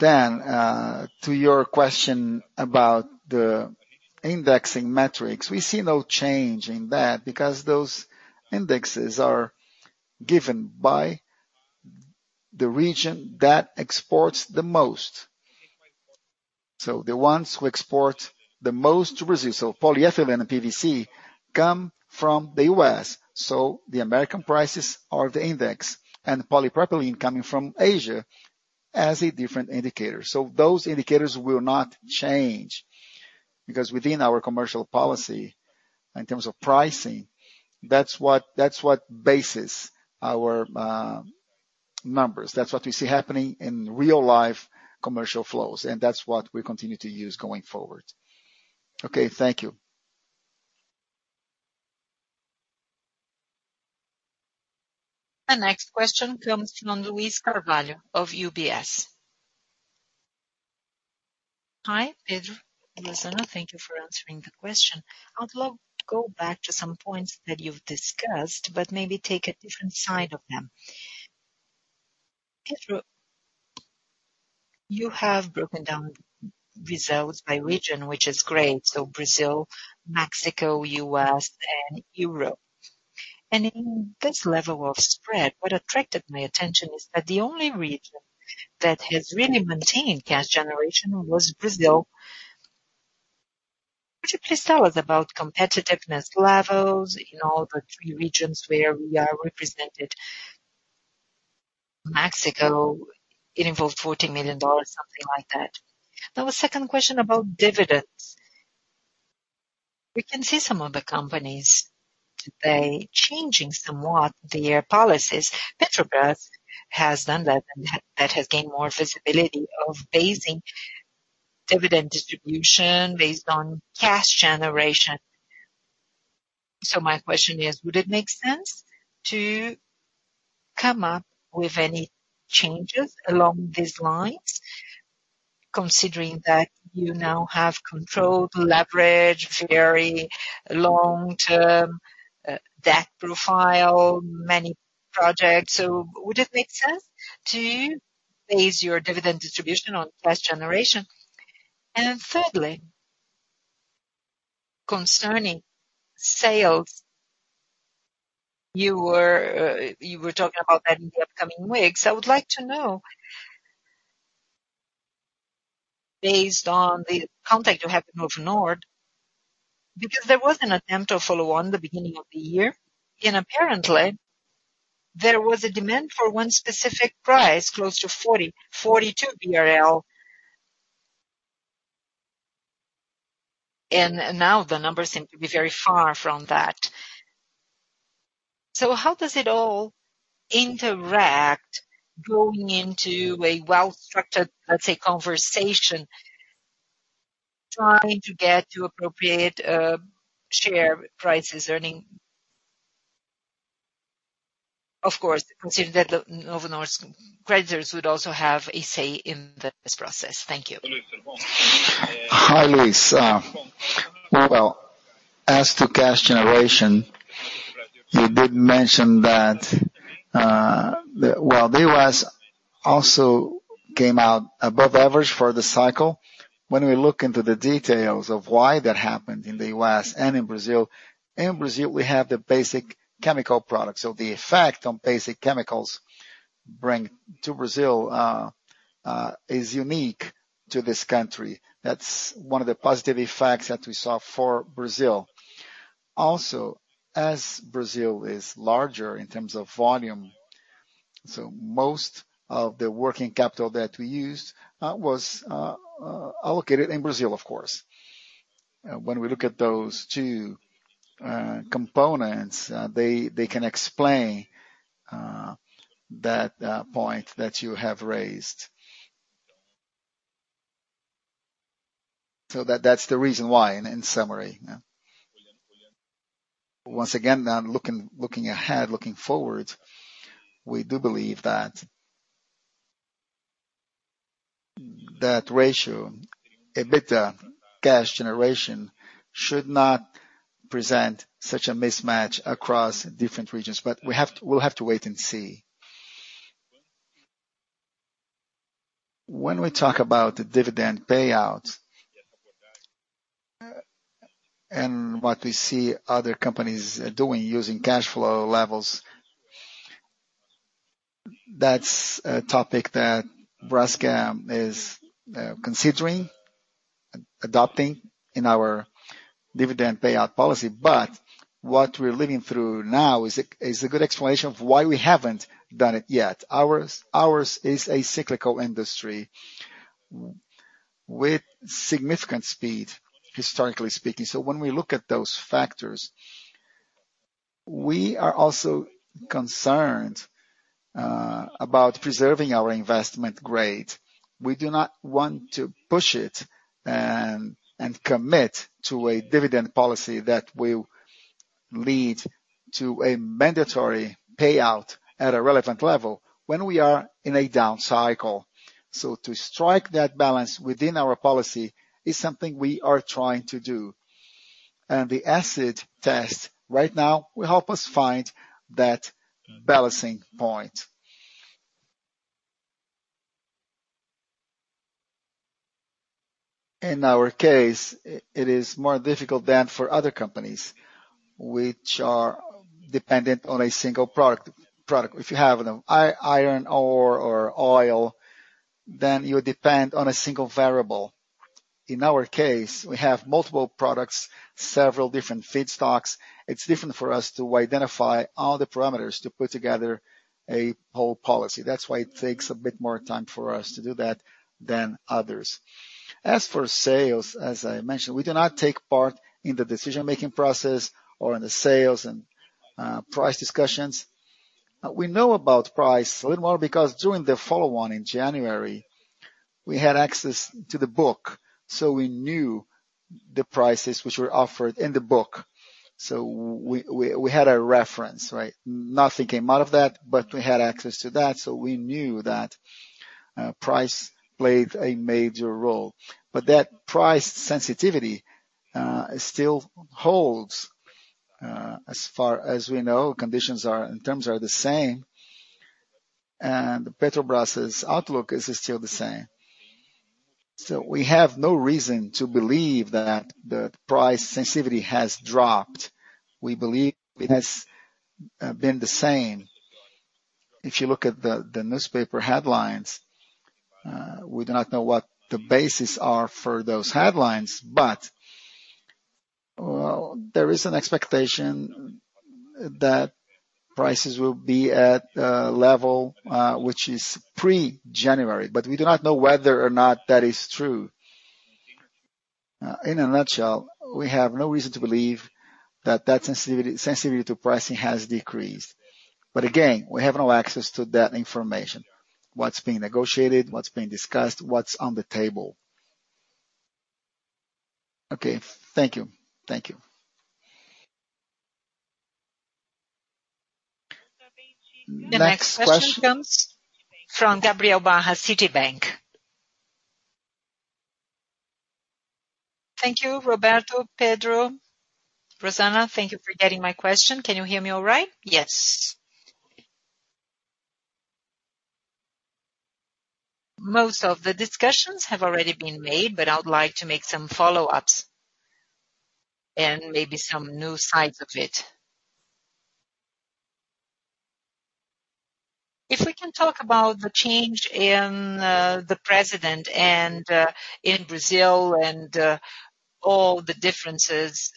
To your question about the indexing metrics, we see no change in that because those indexes are given by the region that exports the most. The ones who export the most to Brazil, polyethylene and PVC, come from the U.S., so the American prices are the index. The polypropylene coming from Asia has a different indicator. Those indicators will not change because within our commercial policy, in terms of pricing, that's what bases our numbers. That's what we see happening in real-life commercial flows, and that's what we continue to use going forward. Okay, thank you. The next question comes from Luiz Carvalho of UBS. Hi, Pedro. Luiz. Thank you for answering the question. I would love to go back to some points that you've discussed, but maybe take a different side of them. Pedro, you have broken down results by region, which is great, so Brazil, Mexico, U.S., and Europe. In this level of spread, what attracted my attention is that the only region that has really maintained cash generation was Brazil. Could you please tell us about competitiveness levels in all the three regions where we are represented? Mexico, it involved $40 million, something like that. Now, a second question about dividends. We can see some of the companies today changing somewhat their policies. Petrobras has done that, and that has gained more visibility of basing dividend distribution based on cash generation. My question is, would it make sense to come up with any changes along these lines, considering that you now have controlled leverage, very long-term debt profile, many projects? Would it make sense to base your dividend distribution on cash generation? Thirdly, concerning sales, you were talking about that in the upcoming weeks. I would like to know, based on the contact you have with Novonor, because there was an attempt to follow-on at the beginning of the year, and apparently, there was a demand for one specific price close to 40-42 BRL. Now the numbers seem to be very far from that. How does it all interact going into a well-structured, let's say, conversation, trying to get to appropriate share prices earning? Of course, considering that the Novonor creditors would also have a say in this process. Thank you. Hi, Luiz. As to cash generation, you did mention that the U.S. also came out above average for the cycle. When we look into the details of why that happened in the U.S. and in Brazil, in Brazil, we have the basic chemical products. The effect on basic chemicals bring to Brazil is unique to this country. That's one of the positive effects that we saw for Brazil. Also, as Brazil is larger in terms of volume, so most of the working capital that we used was allocated in Brazil, of course. When we look at those two components, they can explain that point that you have raised. That's the reason why, in summary. Once again, now looking ahead, looking forward, we do believe that ratio, EBITDA cash generation should not present such a mismatch across different regions. But we'll have to wait and see. When we talk about the dividend payout, and what we see other companies doing using cash flow levels, that's a topic that Braskem is considering adopting in our dividend payout policy. But what we're living through now is a good explanation of why we haven't done it yet. Ours is a cyclical industry with significant speed, historically speaking. When we look at those factors, we are also concerned about preserving our investment grade. We do not want to push it and commit to a dividend policy that will lead to a mandatory payout at a relevant level when we are in a down cycle. To strike that balance within our policy is something we are trying to do. The acid test right now will help us find that balancing point. In our case, it is more difficult than for other companies which are dependent on a single product. If you have iron ore or oil, then you depend on a single variable. In our case, we have multiple products, several different feedstocks. It's different for us to identify all the parameters to put together a whole policy. That's why it takes a bit more time for us to do that than others. As for sales, as I mentioned, we do not take part in the decision-making process or in the sales and price discussions. We know about price a little more because during the follow-on in January, we had access to the book, so we knew the prices which were offered in the book. We had a reference, right? Nothing came out of that, but we had access to that, so we knew that price played a major role. But that price sensitivity still holds. As far as we know, conditions and terms are the same, and Petrobras' outlook is still the same. We have no reason to believe that the price sensitivity has dropped. We believe it has been the same. If you look at the newspaper headlines, we do not know what the basis are for those headlines, but well, there is an expectation that prices will be at a level which is pre-January, but we do not know whether or not that is true. In a nutshell, we have no reason to believe that sensitivity to pricing has decreased. Again, we have no access to that information, what's being negotiated, what's being discussed, what's on the table. Okay. Thank you. Thank you. The next question comes from Gabriel Barra, Citigroup. Thank you, Roberto, Pedro. Rosana, thank you for getting my question. Can you hear me all right? Yes. Most of the discussions have already been made, but I would like to make some follow-ups and maybe some new sides of it. If we can talk about the change in the president and in Brazil and all the differences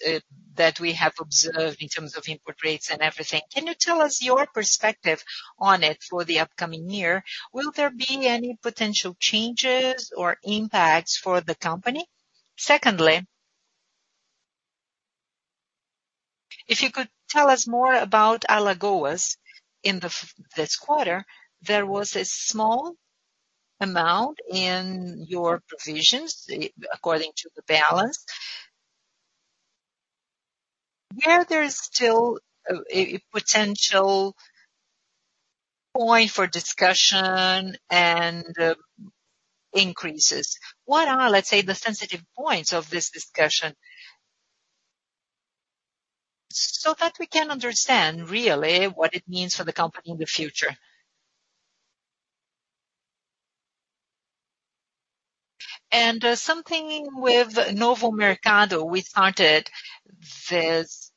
that we have observed in terms of import rates and everything, can you tell us your perspective on it for the upcoming year? Will there be any potential changes or impacts for the company? Secondly, if you could tell us more about Alagoas in this quarter. There was a small amount in your provisions according to the balance. Where there is still a potential point for discussion and increases, what are, let's say, the sensitive points of this discussion so that we can understand really what it means for the company in the future? Something with Novo Mercado. We started this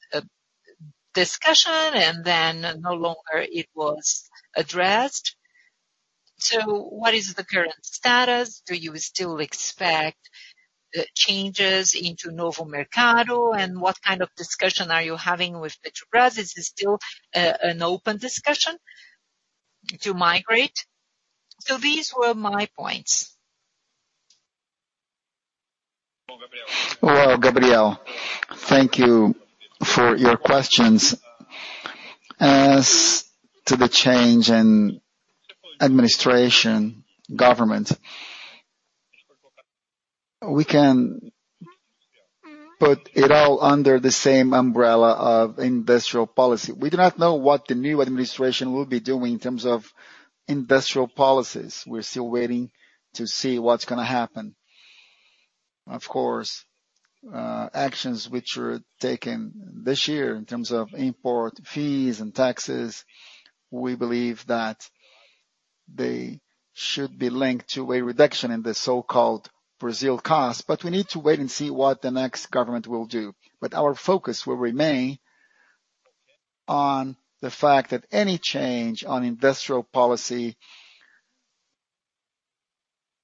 discussion, and then no longer it was addressed. What is the current status? Do you still expect changes into Novo Mercado, and what kind of discussion are you having with Petrobras? Is this still an open discussion to migrate? These were my points. Well, Gabriel, thank you for your questions. As to the change in administration. Government, we can put it all under the same umbrella of industrial policy. We do not know what the new administration will be doing in terms of industrial policies. We're still waiting to see what's gonna happen. Of course, actions which were taken this year in terms of import fees and taxes, we believe that they should be linked to a reduction in the so-called Brazil cost, but we need to wait and see what the next government will do. Our focus will remain on the fact that any change on industrial policy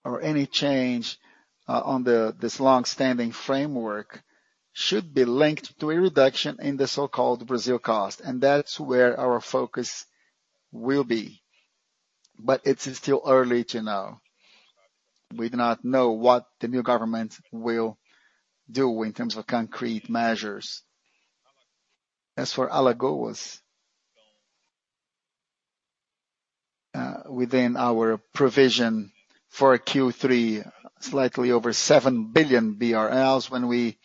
or any change on this long-standing framework should be linked to a reduction in the so-called Brazil cost, and that's where our focus will be. It's still early to know. We do not know what the new government will do in terms of concrete measures. As for Alagoas, within our provision for Q3, slightly over 7 billion BRL. When we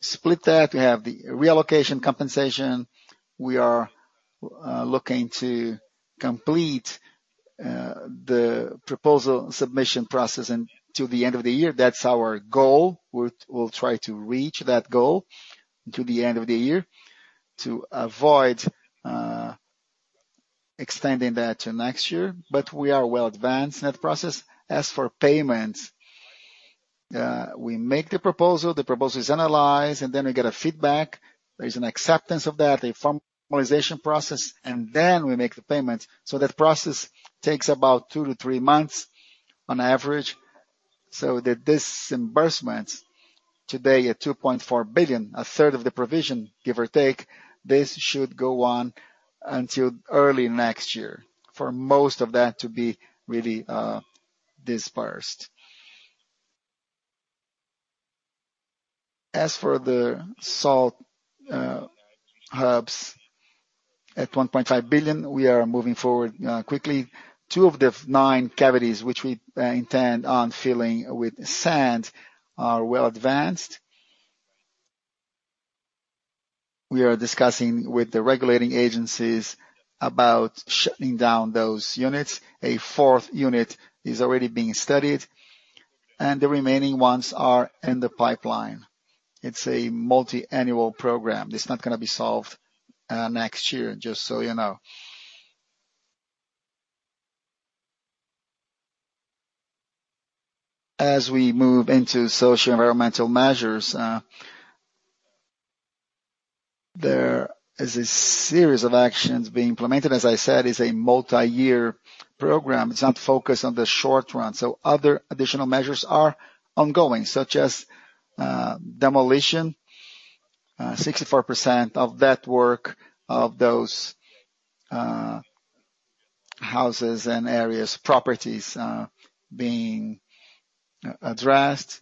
split that, we have the reallocation compensation. We are looking to complete the proposal submission process to the end of the year. That's our goal. We'll try to reach that goal until the end of the year to avoid extending that to next year, but we are well advanced in that process. As for payments, we make the proposal, the proposal is analyzed, and then we get feedback. There is an acceptance of that, a formalization process, and then we make the payment. So that process takes about two to three months on average. The disbursement today at 2.4 billion, a third of the provision, give or take, this should go on until early next year for most of that to be really disbursed. As for the salt hubs at 1.5 billion, we are moving forward quickly. Two of the nine cavities which we intend on filling with sand are well advanced. We are discussing with the regulating agencies about shutting down those units. A fourth unit is already being studied, and the remaining ones are in the pipeline. It's a multi-annual program. It's not gonna be solved next year, just so you know. As we move into socio-environmental measures, there is a series of actions being implemented. As I said, it's a multi-year program. It's not focused on the short run. Other additional measures are ongoing, such as demolition, 64% of that work of those houses and areas, properties being addressed.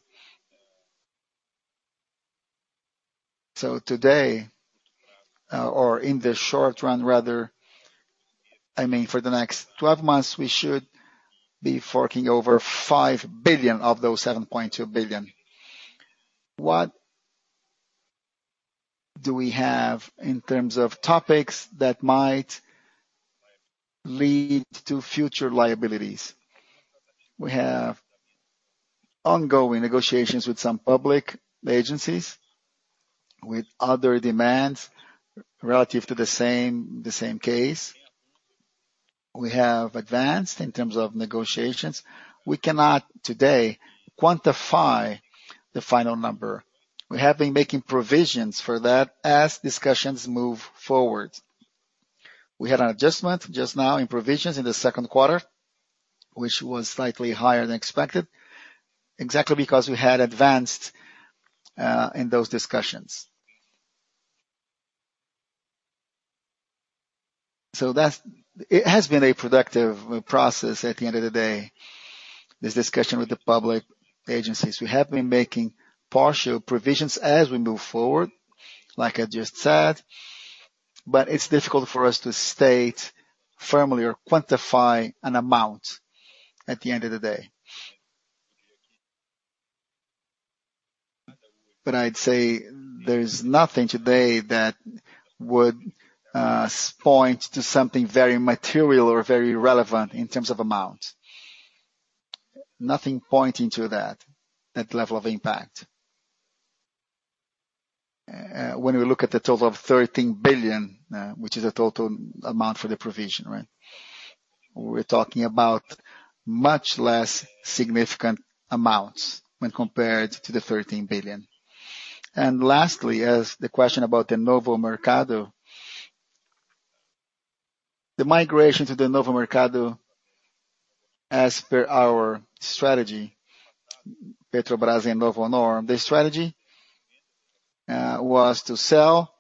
Today, or in the short run rather, I mean, for the next 12 months, we should be forking over 5 billion of those 7.2 billion. What do we have in terms of topics that might lead to future liabilities? We have ongoing negotiations with some public agencies with other demands relative to the same case. We have advanced in terms of negotiations. We cannot today quantify the final number. We have been making provisions for that as discussions move forward. We had an adjustment just now in provisions in the second quarter, which was slightly higher than expected, exactly because we had advanced in those discussions. It has been a productive process at the end of the day, this discussion with the public agencies. We have been making partial provisions as we move forward, like I just said, but it's difficult for us to state firmly or quantify an amount at the end of the day. But I'd say there's nothing today that would point to something very material or very relevant in terms of amount. Nothing pointing to that level of impact. When we look at the total of 13 billion, which is a total amount for the provision, right? We're talking about much less significant amounts when compared to the 13 billion. Lastly, as the question about the Novo Mercado. The migration to the Novo Mercado as per our strategy, Petrobras and Novonor. The strategy was to sell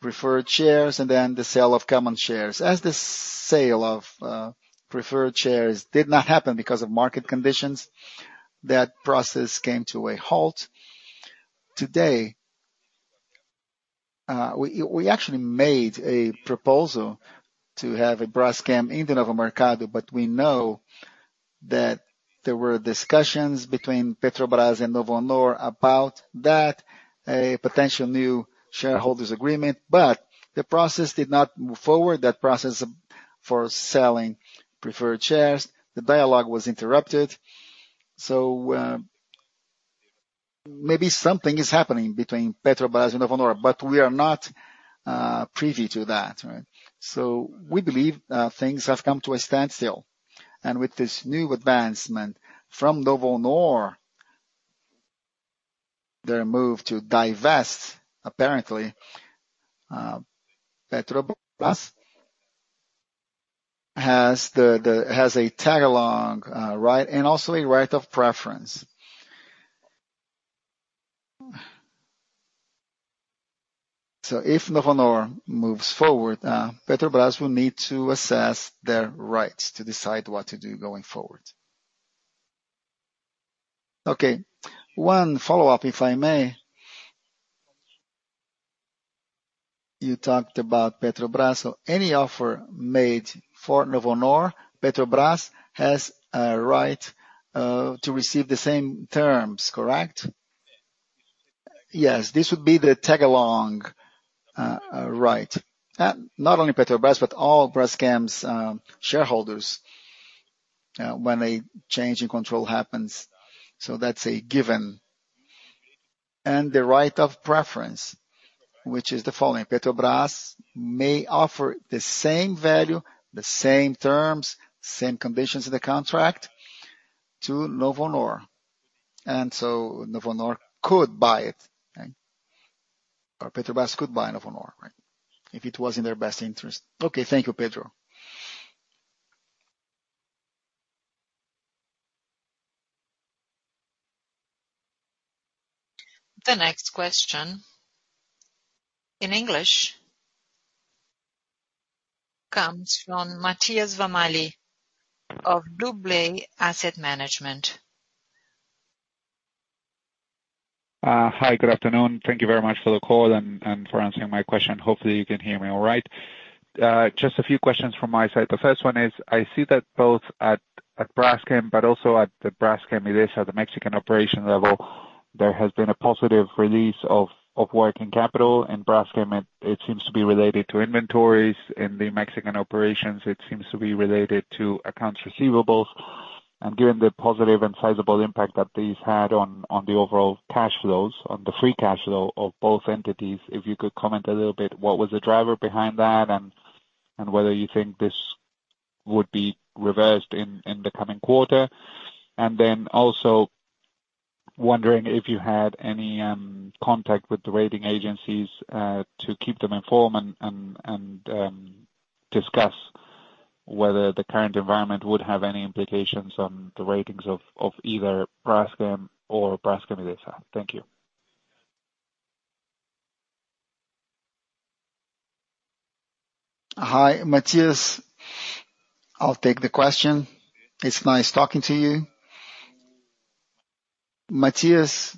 preferred shares and then the sale of common shares. As the sale of preferred shares did not happen because of market conditions, that process came to a halt. Today, we actually made a proposal to have a Braskem in Novo Mercado, but we know that there were discussions between Petrobras and Novonor about that, a potential new shareholders agreement. The process did not move forward, that process for selling preferred shares, the dialogue was interrupted. Maybe something is happening between Petrobras and Novonor, but we are not privy to that, right? We believe things have come to a standstill. With this new advancement from Novonor, their move to divest, apparently, Petrobras has a tag-along right, and also a right of preference. If Novonor moves forward, Petrobras will need to assess their rights to decide what to do going forward. Okay. One follow-up, if I may. You talked about Petrobras. Any offer made for Novonor, Petrobras has a right to receive the same terms, correct? Yes. This would be the tag-along right. Not only Petrobras, but all Braskem's shareholders when a change in control happens. That's a given. The right of preference, which is the following: Petrobras may offer the same value, the same terms, same conditions of the contract to Novonor. Novonor could buy it, right? Or Petrobras could buy Novonor, right? If it was in their best interest. Okay, thank you, Pedro. The next question in English comes from Matías Vammalle of BlueBay Asset Management. Hi, good afternoon. Thank you very much for the call and for answering my question. Hopefully, you can hear me all right. Just a few questions from my side. The first one is, I see that both at Braskem but also at the Braskem Idesa, the Mexican operation level, there has been a positive release of working capital. In Braskem, it seems to be related to inventories. In the Mexican operations, it seems to be related to accounts receivables. Given the positive and sizable impact that these had on the overall cash flows, on the free cash flow of both entities, if you could comment a little bit, what was the driver behind that and whether you think this would be reversed in the coming quarter? Then also wondering if you had any contact with the rating agencies to keep them informed and discuss whether the current environment would have any implications on the ratings of either Braskem or Braskem Idesa. Thank you. Hi, Matías. I'll take the question. It's nice talking to you. Matías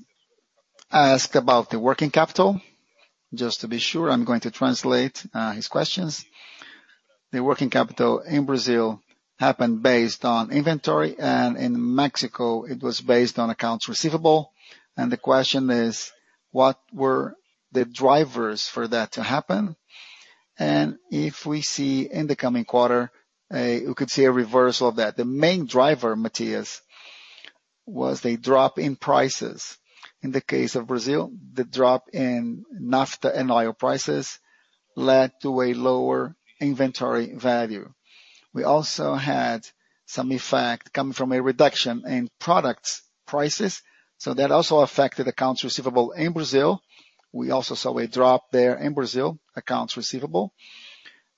asked about the working capital. Just to be sure, I'm going to translate his questions. The working capital in Brazil happened based on inventory, and in Mexico, it was based on accounts receivable. The question is, what were the drivers for that to happen? If we see in the coming quarter, we could see a reversal of that. The main driver, Matías, was the drop in prices. In the case of Brazil, the drop in naphtha and oil prices led to a lower inventory value. We also had some effect coming from a reduction in products prices, so that also affected accounts receivable in Brazil. We also saw a drop there in Brazil, accounts receivable.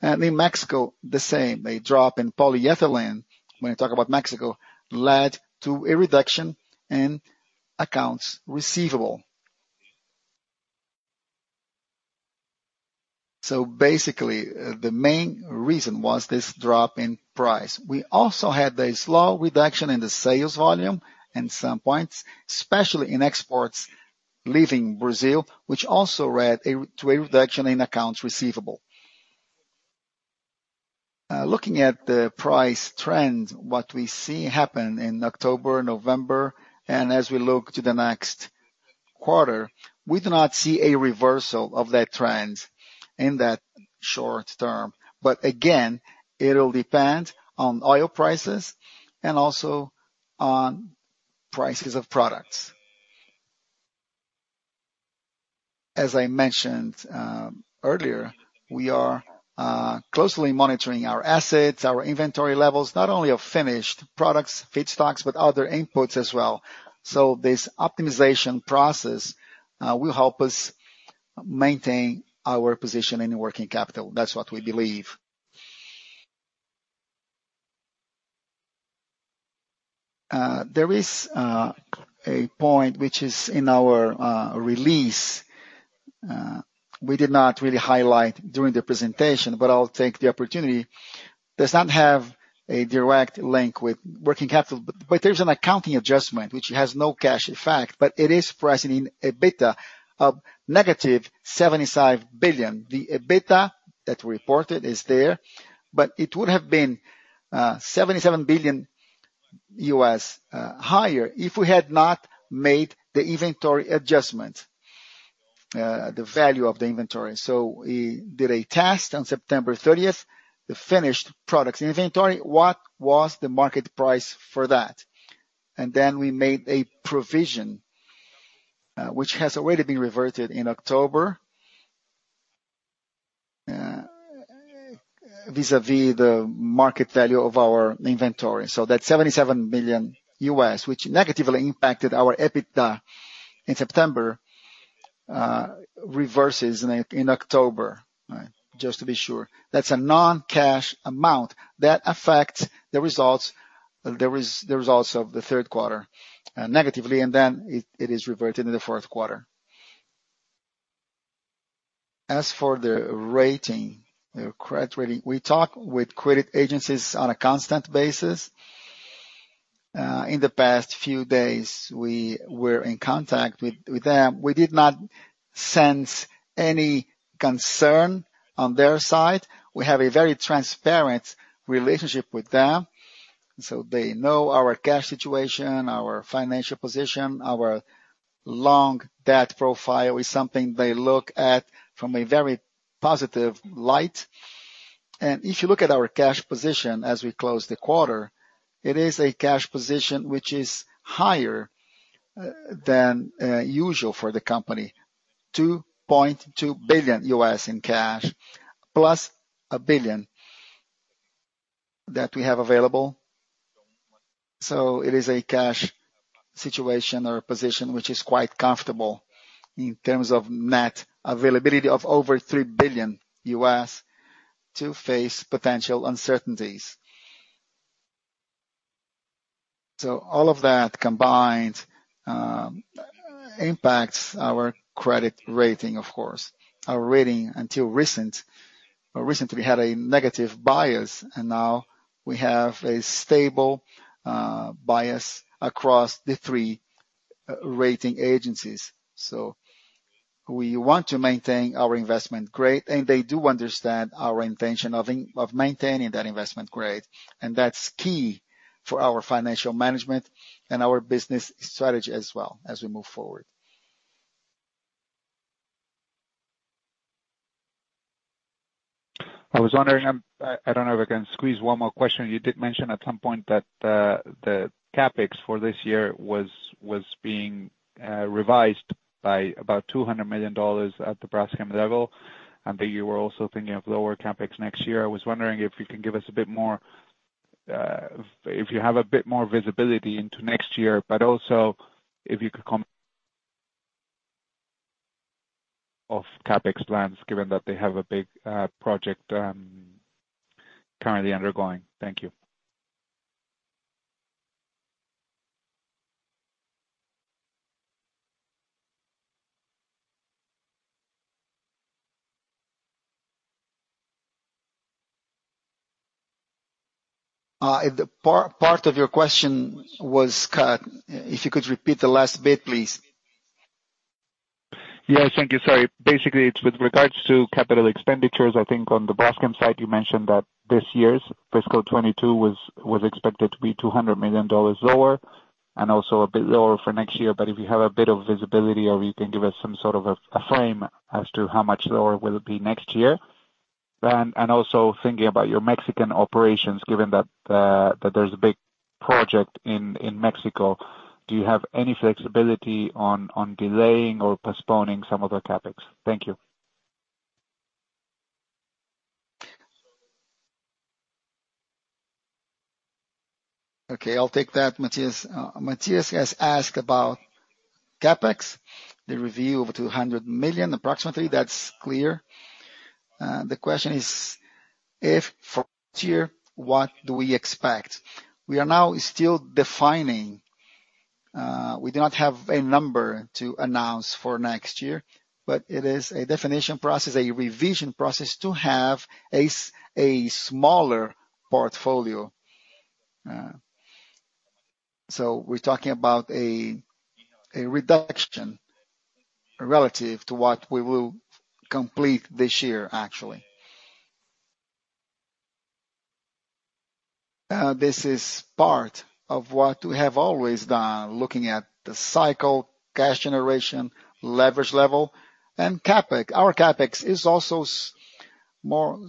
In Mexico, the same. A drop in polyethylene, when we talk about Mexico, led to a reduction in accounts receivable. Basically, the main reason was this drop in price. We also had a slow reduction in the sales volume at some points, especially in exports leaving Brazil, which also led to a reduction in accounts receivable. Looking at the price trend, what we see happen in October, November, and as we look to the next quarter, we do not see a reversal of that trend in that short term. Again, it'll depend on oil prices and also on prices of products. As I mentioned earlier, we are closely monitoring our assets, our inventory levels, not only of finished products, feedstocks, but other inputs as well. This optimization process will help us maintain our position in working capital. That's what we believe. There is a point which is in our release, we did not really highlight during the presentation, but I'll take the opportunity. Does not have a direct link with working capital, but there's an accounting adjustment which has no cash effect, but it is impacting EBITDA of -75 billion. The EBITDA that we reported is there, but it would have been $77 billion higher if we had not made the inventory adjustment, the value of the inventory. We did a test on September thirtieth, the finished products inventory, what was the market price for that? Then we made a provision, which has already been reverted in October, vis-à-vis the market value of our inventory. That $77 billion, which negatively impacted our EBITDA in September, reverses in October, right? Just to be sure. That's a non-cash amount that affects the results, the results of the third quarter negatively, and then it is reverted in the fourth quarter. As for the rating, the credit rating, we talk with credit agencies on a constant basis. In the past few days, we were in contact with them. We did not sense any concern on their side. We have a very transparent relationship with them, so they know our cash situation, our financial position. Our long debt profile is something they look at from a very positive light. If you look at our cash position as we close the quarter, it is a cash position which is higher than usual for the company, $2.2 billion in cash, +$1 billion that we have available. It is a cash situation or a position which is quite comfortable in terms of net availability of over $3 billion to face potential uncertainties. All of that combined impacts our credit rating, of course. Our rating until recently had a negative bias, and now we have a stable bias across the three rating agencies. We want to maintain our investment grade, and they do understand our intention of maintaining that investment grade, and that's key for our financial management and our business strategy as well as we move forward. I was wondering, I don't know if I can squeeze one more question. You did mention at some point that the CapEx for this year was being revised by about $200 million at the Braskem level, and that you were also thinking of lower CapEx next year. I was wondering if you can give us a bit more, if you have a bit more visibility into next year, but also if you could comment on CapEx plans, given that they have a big project currently undergoing. Thank you. The part of your question was cut. If you could repeat the last bit, please. Yes. Thank you. Sorry. Basically, it's with regards to capital expenditures. I think on the Braskem side, you mentioned that this year's fiscal 2022 was expected to be $200 million lower and also a bit lower for next year. If you have a bit of visibility or you can give us some sort of a frame as to how much lower will it be next year. Also thinking about your Mexican operations, given that that there's a big project in Mexico, do you have any flexibility on delaying or postponing some of the CapEx? Thank you. Okay, I'll take that. Matías has asked about CapEx, the review of 200 million approximately. That's clear. The question is, if for next year, what do we expect? We are now still defining. We do not have a number to announce for next year, but it is a definition process, a revision process to have a smaller portfolio. We're talking about a reduction relative to what we will complete this year, actually. This is part of what we have always done, looking at the cycle, cash generation, leverage level, and CapEx. Our CapEx is also more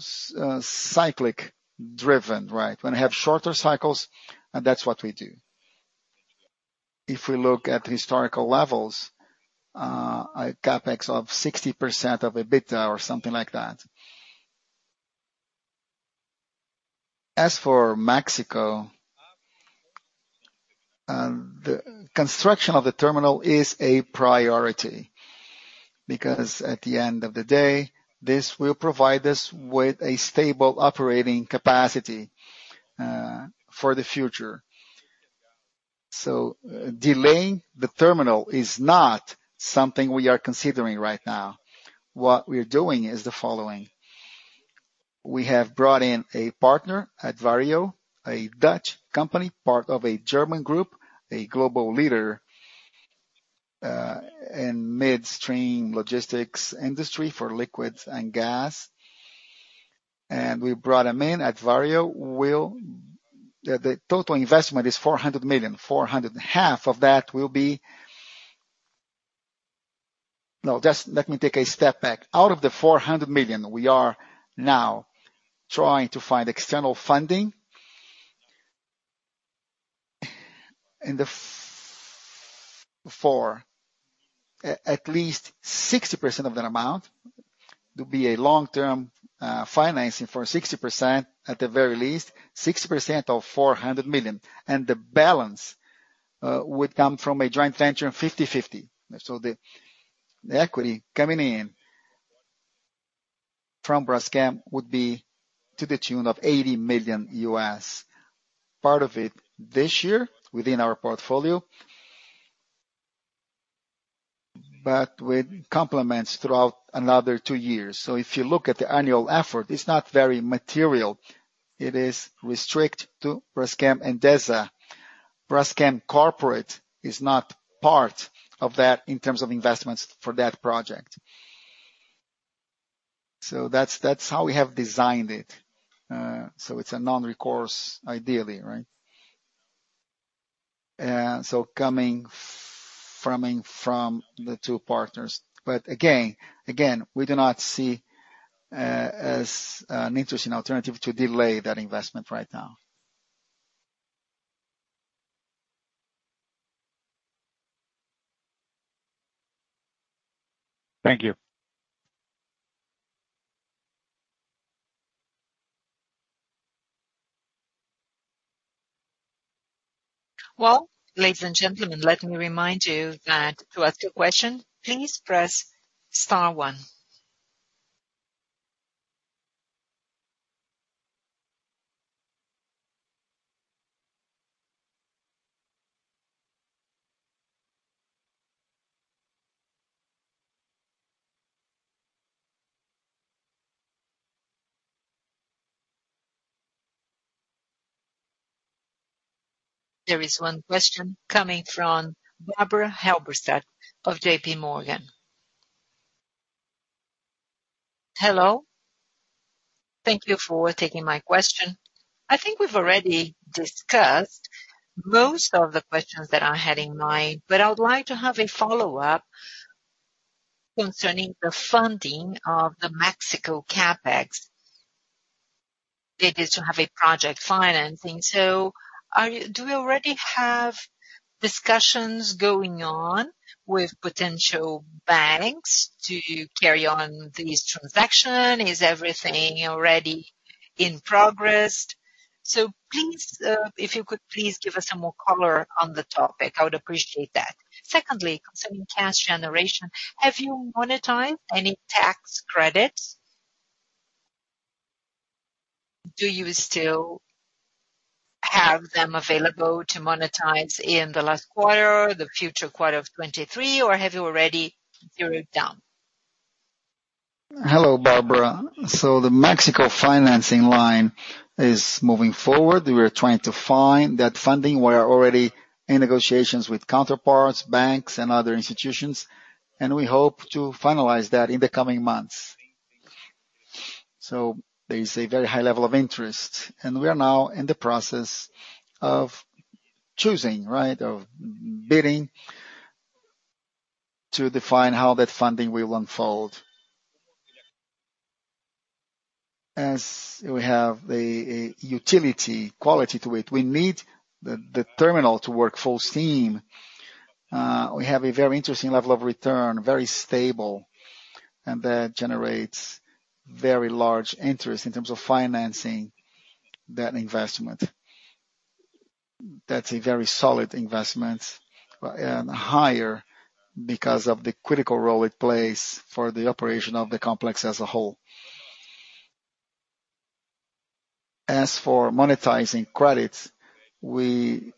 cyclic driven, right? When we have shorter cycles, and that's what we do. If we look at historical levels, a CapEx of 60% of EBITDA or something like that. As for Mexico, the construction of the terminal is a priority because at the end of the day, this will provide us with a stable operating capacity for the future. Delaying the terminal is not something we are considering right now. What we're doing is the following. We have brought in a partner, Advario, a Dutch company, part of a German group, a global leader in midstream logistics industry for liquids and gas. We brought them in. The total investment is $400 million. Half of that will be. No, just let me take a step back. Out of the $400 million, we are now trying to find external funding for at least 60% of that amount to be a long-term financing for 60%, at the very least 60% of $400 million. The balance would come from a joint venture in 50/50. The equity coming in from Braskem would be to the tune of $80 million. Part of it this year within our portfolio, but with components throughout another two years. If you look at the annual effort, it's not very material. It is restricted to Braskem Idesa. Braskem Corporate is not part of that in terms of investments for that project. That's how we have designed it. It's a non-recourse ideally, right? Coming from and from the two partners. But again, we do not see as an interesting alternative to delay that investment right now. Thank you. Well, ladies and gentlemen, let me remind you that to ask a question, please press star one. There is one question coming from Barbara Halberstadt of JPMorgan. Hello. Thank you for taking my question. I think we've already discussed most of the questions that I had in mind, but I would like to have a follow-up concerning the funding of the Mexico CapEx. They just don't have a project financing. Do you already have discussions going on with potential banks to carry on this transaction? Is everything already in progress? Please, if you could give us some more color on the topic, I would appreciate that. Secondly, concerning cash generation, have you monetized any tax credits? Do you still have them available to monetize in the last quarter, the fourth quarter of 2023, or have you already carried down? Hello, Barbara. The Mexico financing line is moving forward. We are trying to find that funding. We are already in negotiations with counterparts, banks and other institutions, and we hope to finalize that in the coming months. There is a very high level of interest, and we are now in the process of choosing, right, of bidding to define how that funding will unfold. As we have the utility quality to it, we need the terminal to work full steam. We have a very interesting level of return, very stable, and that generates very large interest in terms of financing that investment. That's a very solid investment, and higher because of the critical role it plays for the operation of the complex as a whole. As for monetizing credits, we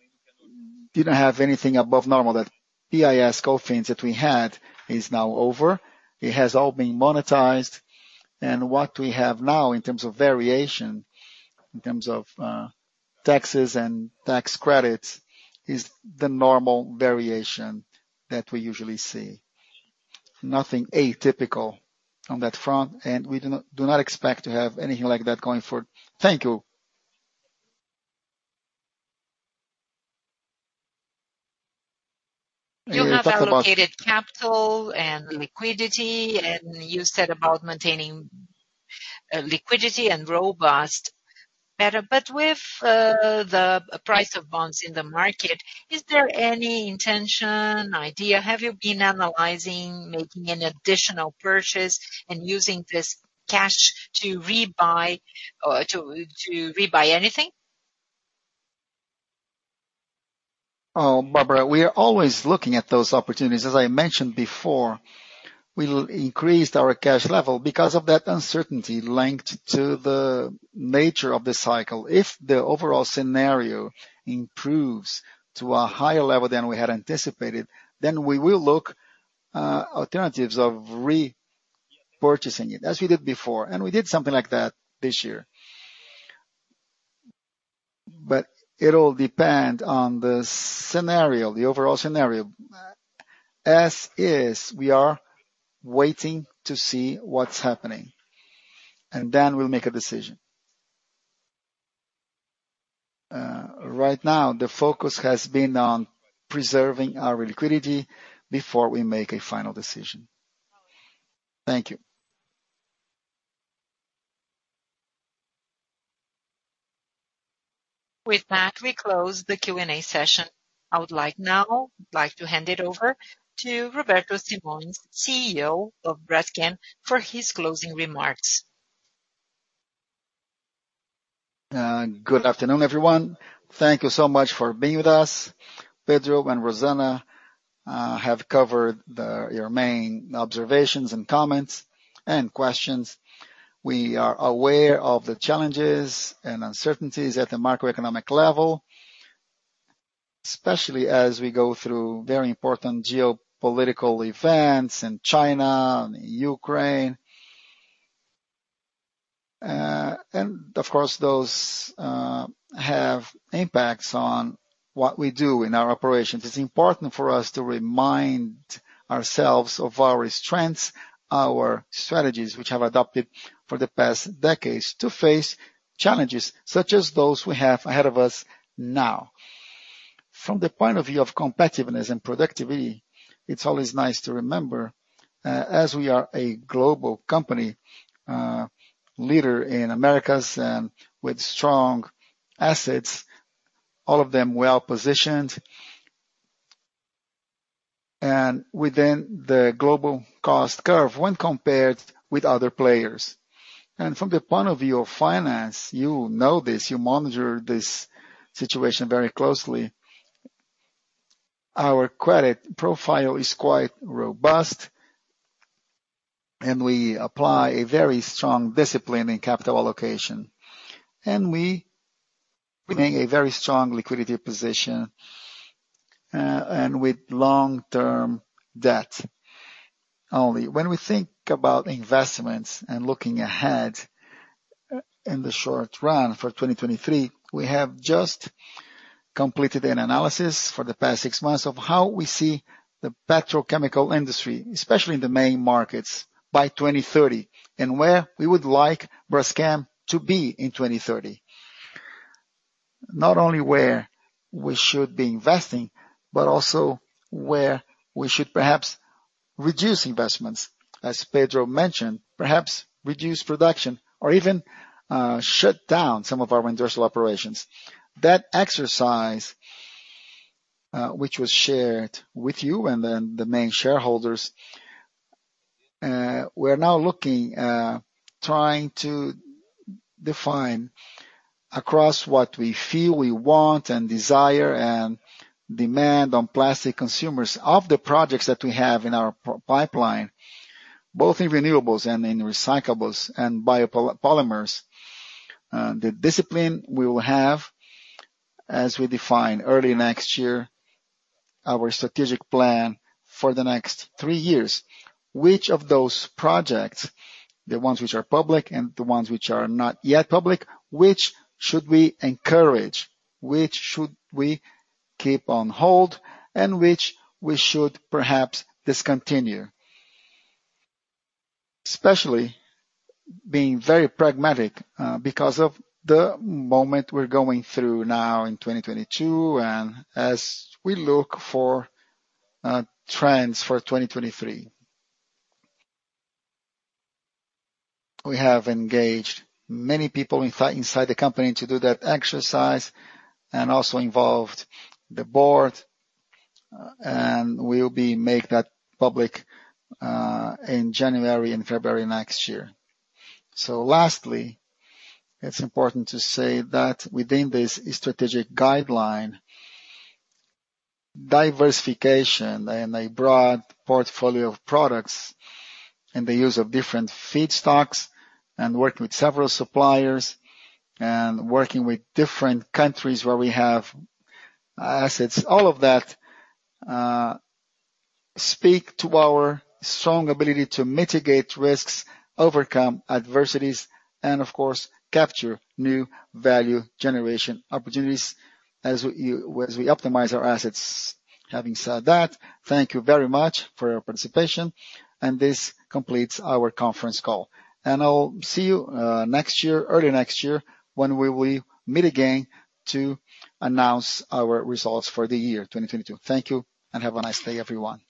didn't have anything above normal. That ICMS credit that we had is now over. It has all been monetized. What we have now in terms of variation, in terms of, taxes and tax credits, is the normal variation that we usually see. Nothing atypical on that front, and we do not expect to have anything like that going forward. Thank you. You have allocated capital and liquidity, and you said about maintaining liquidity and robust buffer. With the price of bonds in the market, is there any intention, idea? Have you been analyzing making an additional purchase and using this cash to rebuy anything? Oh, Barbara, we are always looking at those opportunities. As I mentioned before, we increased our cash level because of that uncertainty linked to the nature of the cycle. If the overall scenario improves to a higher level than we had anticipated, then we will look alternatives of repurchasing it as we did before, and we did something like that this year. But it'll depend on the scenario, the overall scenario. As is, we are waiting to see what's happening, and then we'll make a decision. Right now, the focus has been on preserving our liquidity before we make a final decision. Thank you. With that, we close the Q&A session. I would like now to hand it over to Roberto Simões, CEO of Braskem, for his closing remarks. Good afternoon, everyone. Thank you so much for being with us. Pedro and Rosana have covered your main observations and comments and questions. We are aware of the challenges and uncertainties at the macroeconomic level, especially as we go through very important geopolitical events in China and Ukraine. Of course, those have impacts on what we do in our operations. It's important for us to remind ourselves of our strengths, our strategies, which have adopted for the past decades to face challenges such as those we have ahead of us now. From the point of view of competitiveness and productivity, it's always nice to remember as we are a global company, leader in Americas and with strong assets, all of them well-positioned and within the global cost curve when compared with other players. From the point of view of finance, you know this, you monitor this situation very closely. Our credit profile is quite robust, and we apply a very strong discipline in capital allocation. We remain in a very strong liquidity position and with long-term debt. When we think about investments and looking ahead in the short run for 2023, we have just completed an analysis for the past six months of how we see the petrochemical industry, especially in the main markets by 2030, and where we would like Braskem to be in 2030. Not only where we should be investing, but also where we should perhaps reduce investments, as Pedro mentioned, perhaps reduce production or even shut down some of our industrial operations. That exercise, which was shared with you and then the main shareholders, we're now looking, trying to define across what we feel we want and desire and demand on plastic consumers of the projects that we have in our pipeline, both in renewables and in recyclables and biopolymers. The discipline we will have as we define early next year our strategic plan for the next three years. Which of those projects, the ones which are public and the ones which are not yet public, which should we encourage, which should we keep on hold, and which we should perhaps discontinue. Especially being very pragmatic, because of the moment we're going through now in 2022 and as we look for, trends for 2023. We have engaged many people inside the company to do that exercise and also involved the board, and we'll be making that public in January and February next year. Lastly, it's important to say that within this strategic guideline, diversification and a broad portfolio of products and the use of different feedstocks and working with several suppliers and working with different countries where we have assets, all of that speak to our strong ability to mitigate risks, overcome adversities, and of course, capture new value generation opportunities as we optimize our assets. Having said that, thank you very much for your participation, and this completes our conference call. I'll see you next year, early next year when we will meet again to announce our results for the year 2022. Thank you, and have a nice day, everyone.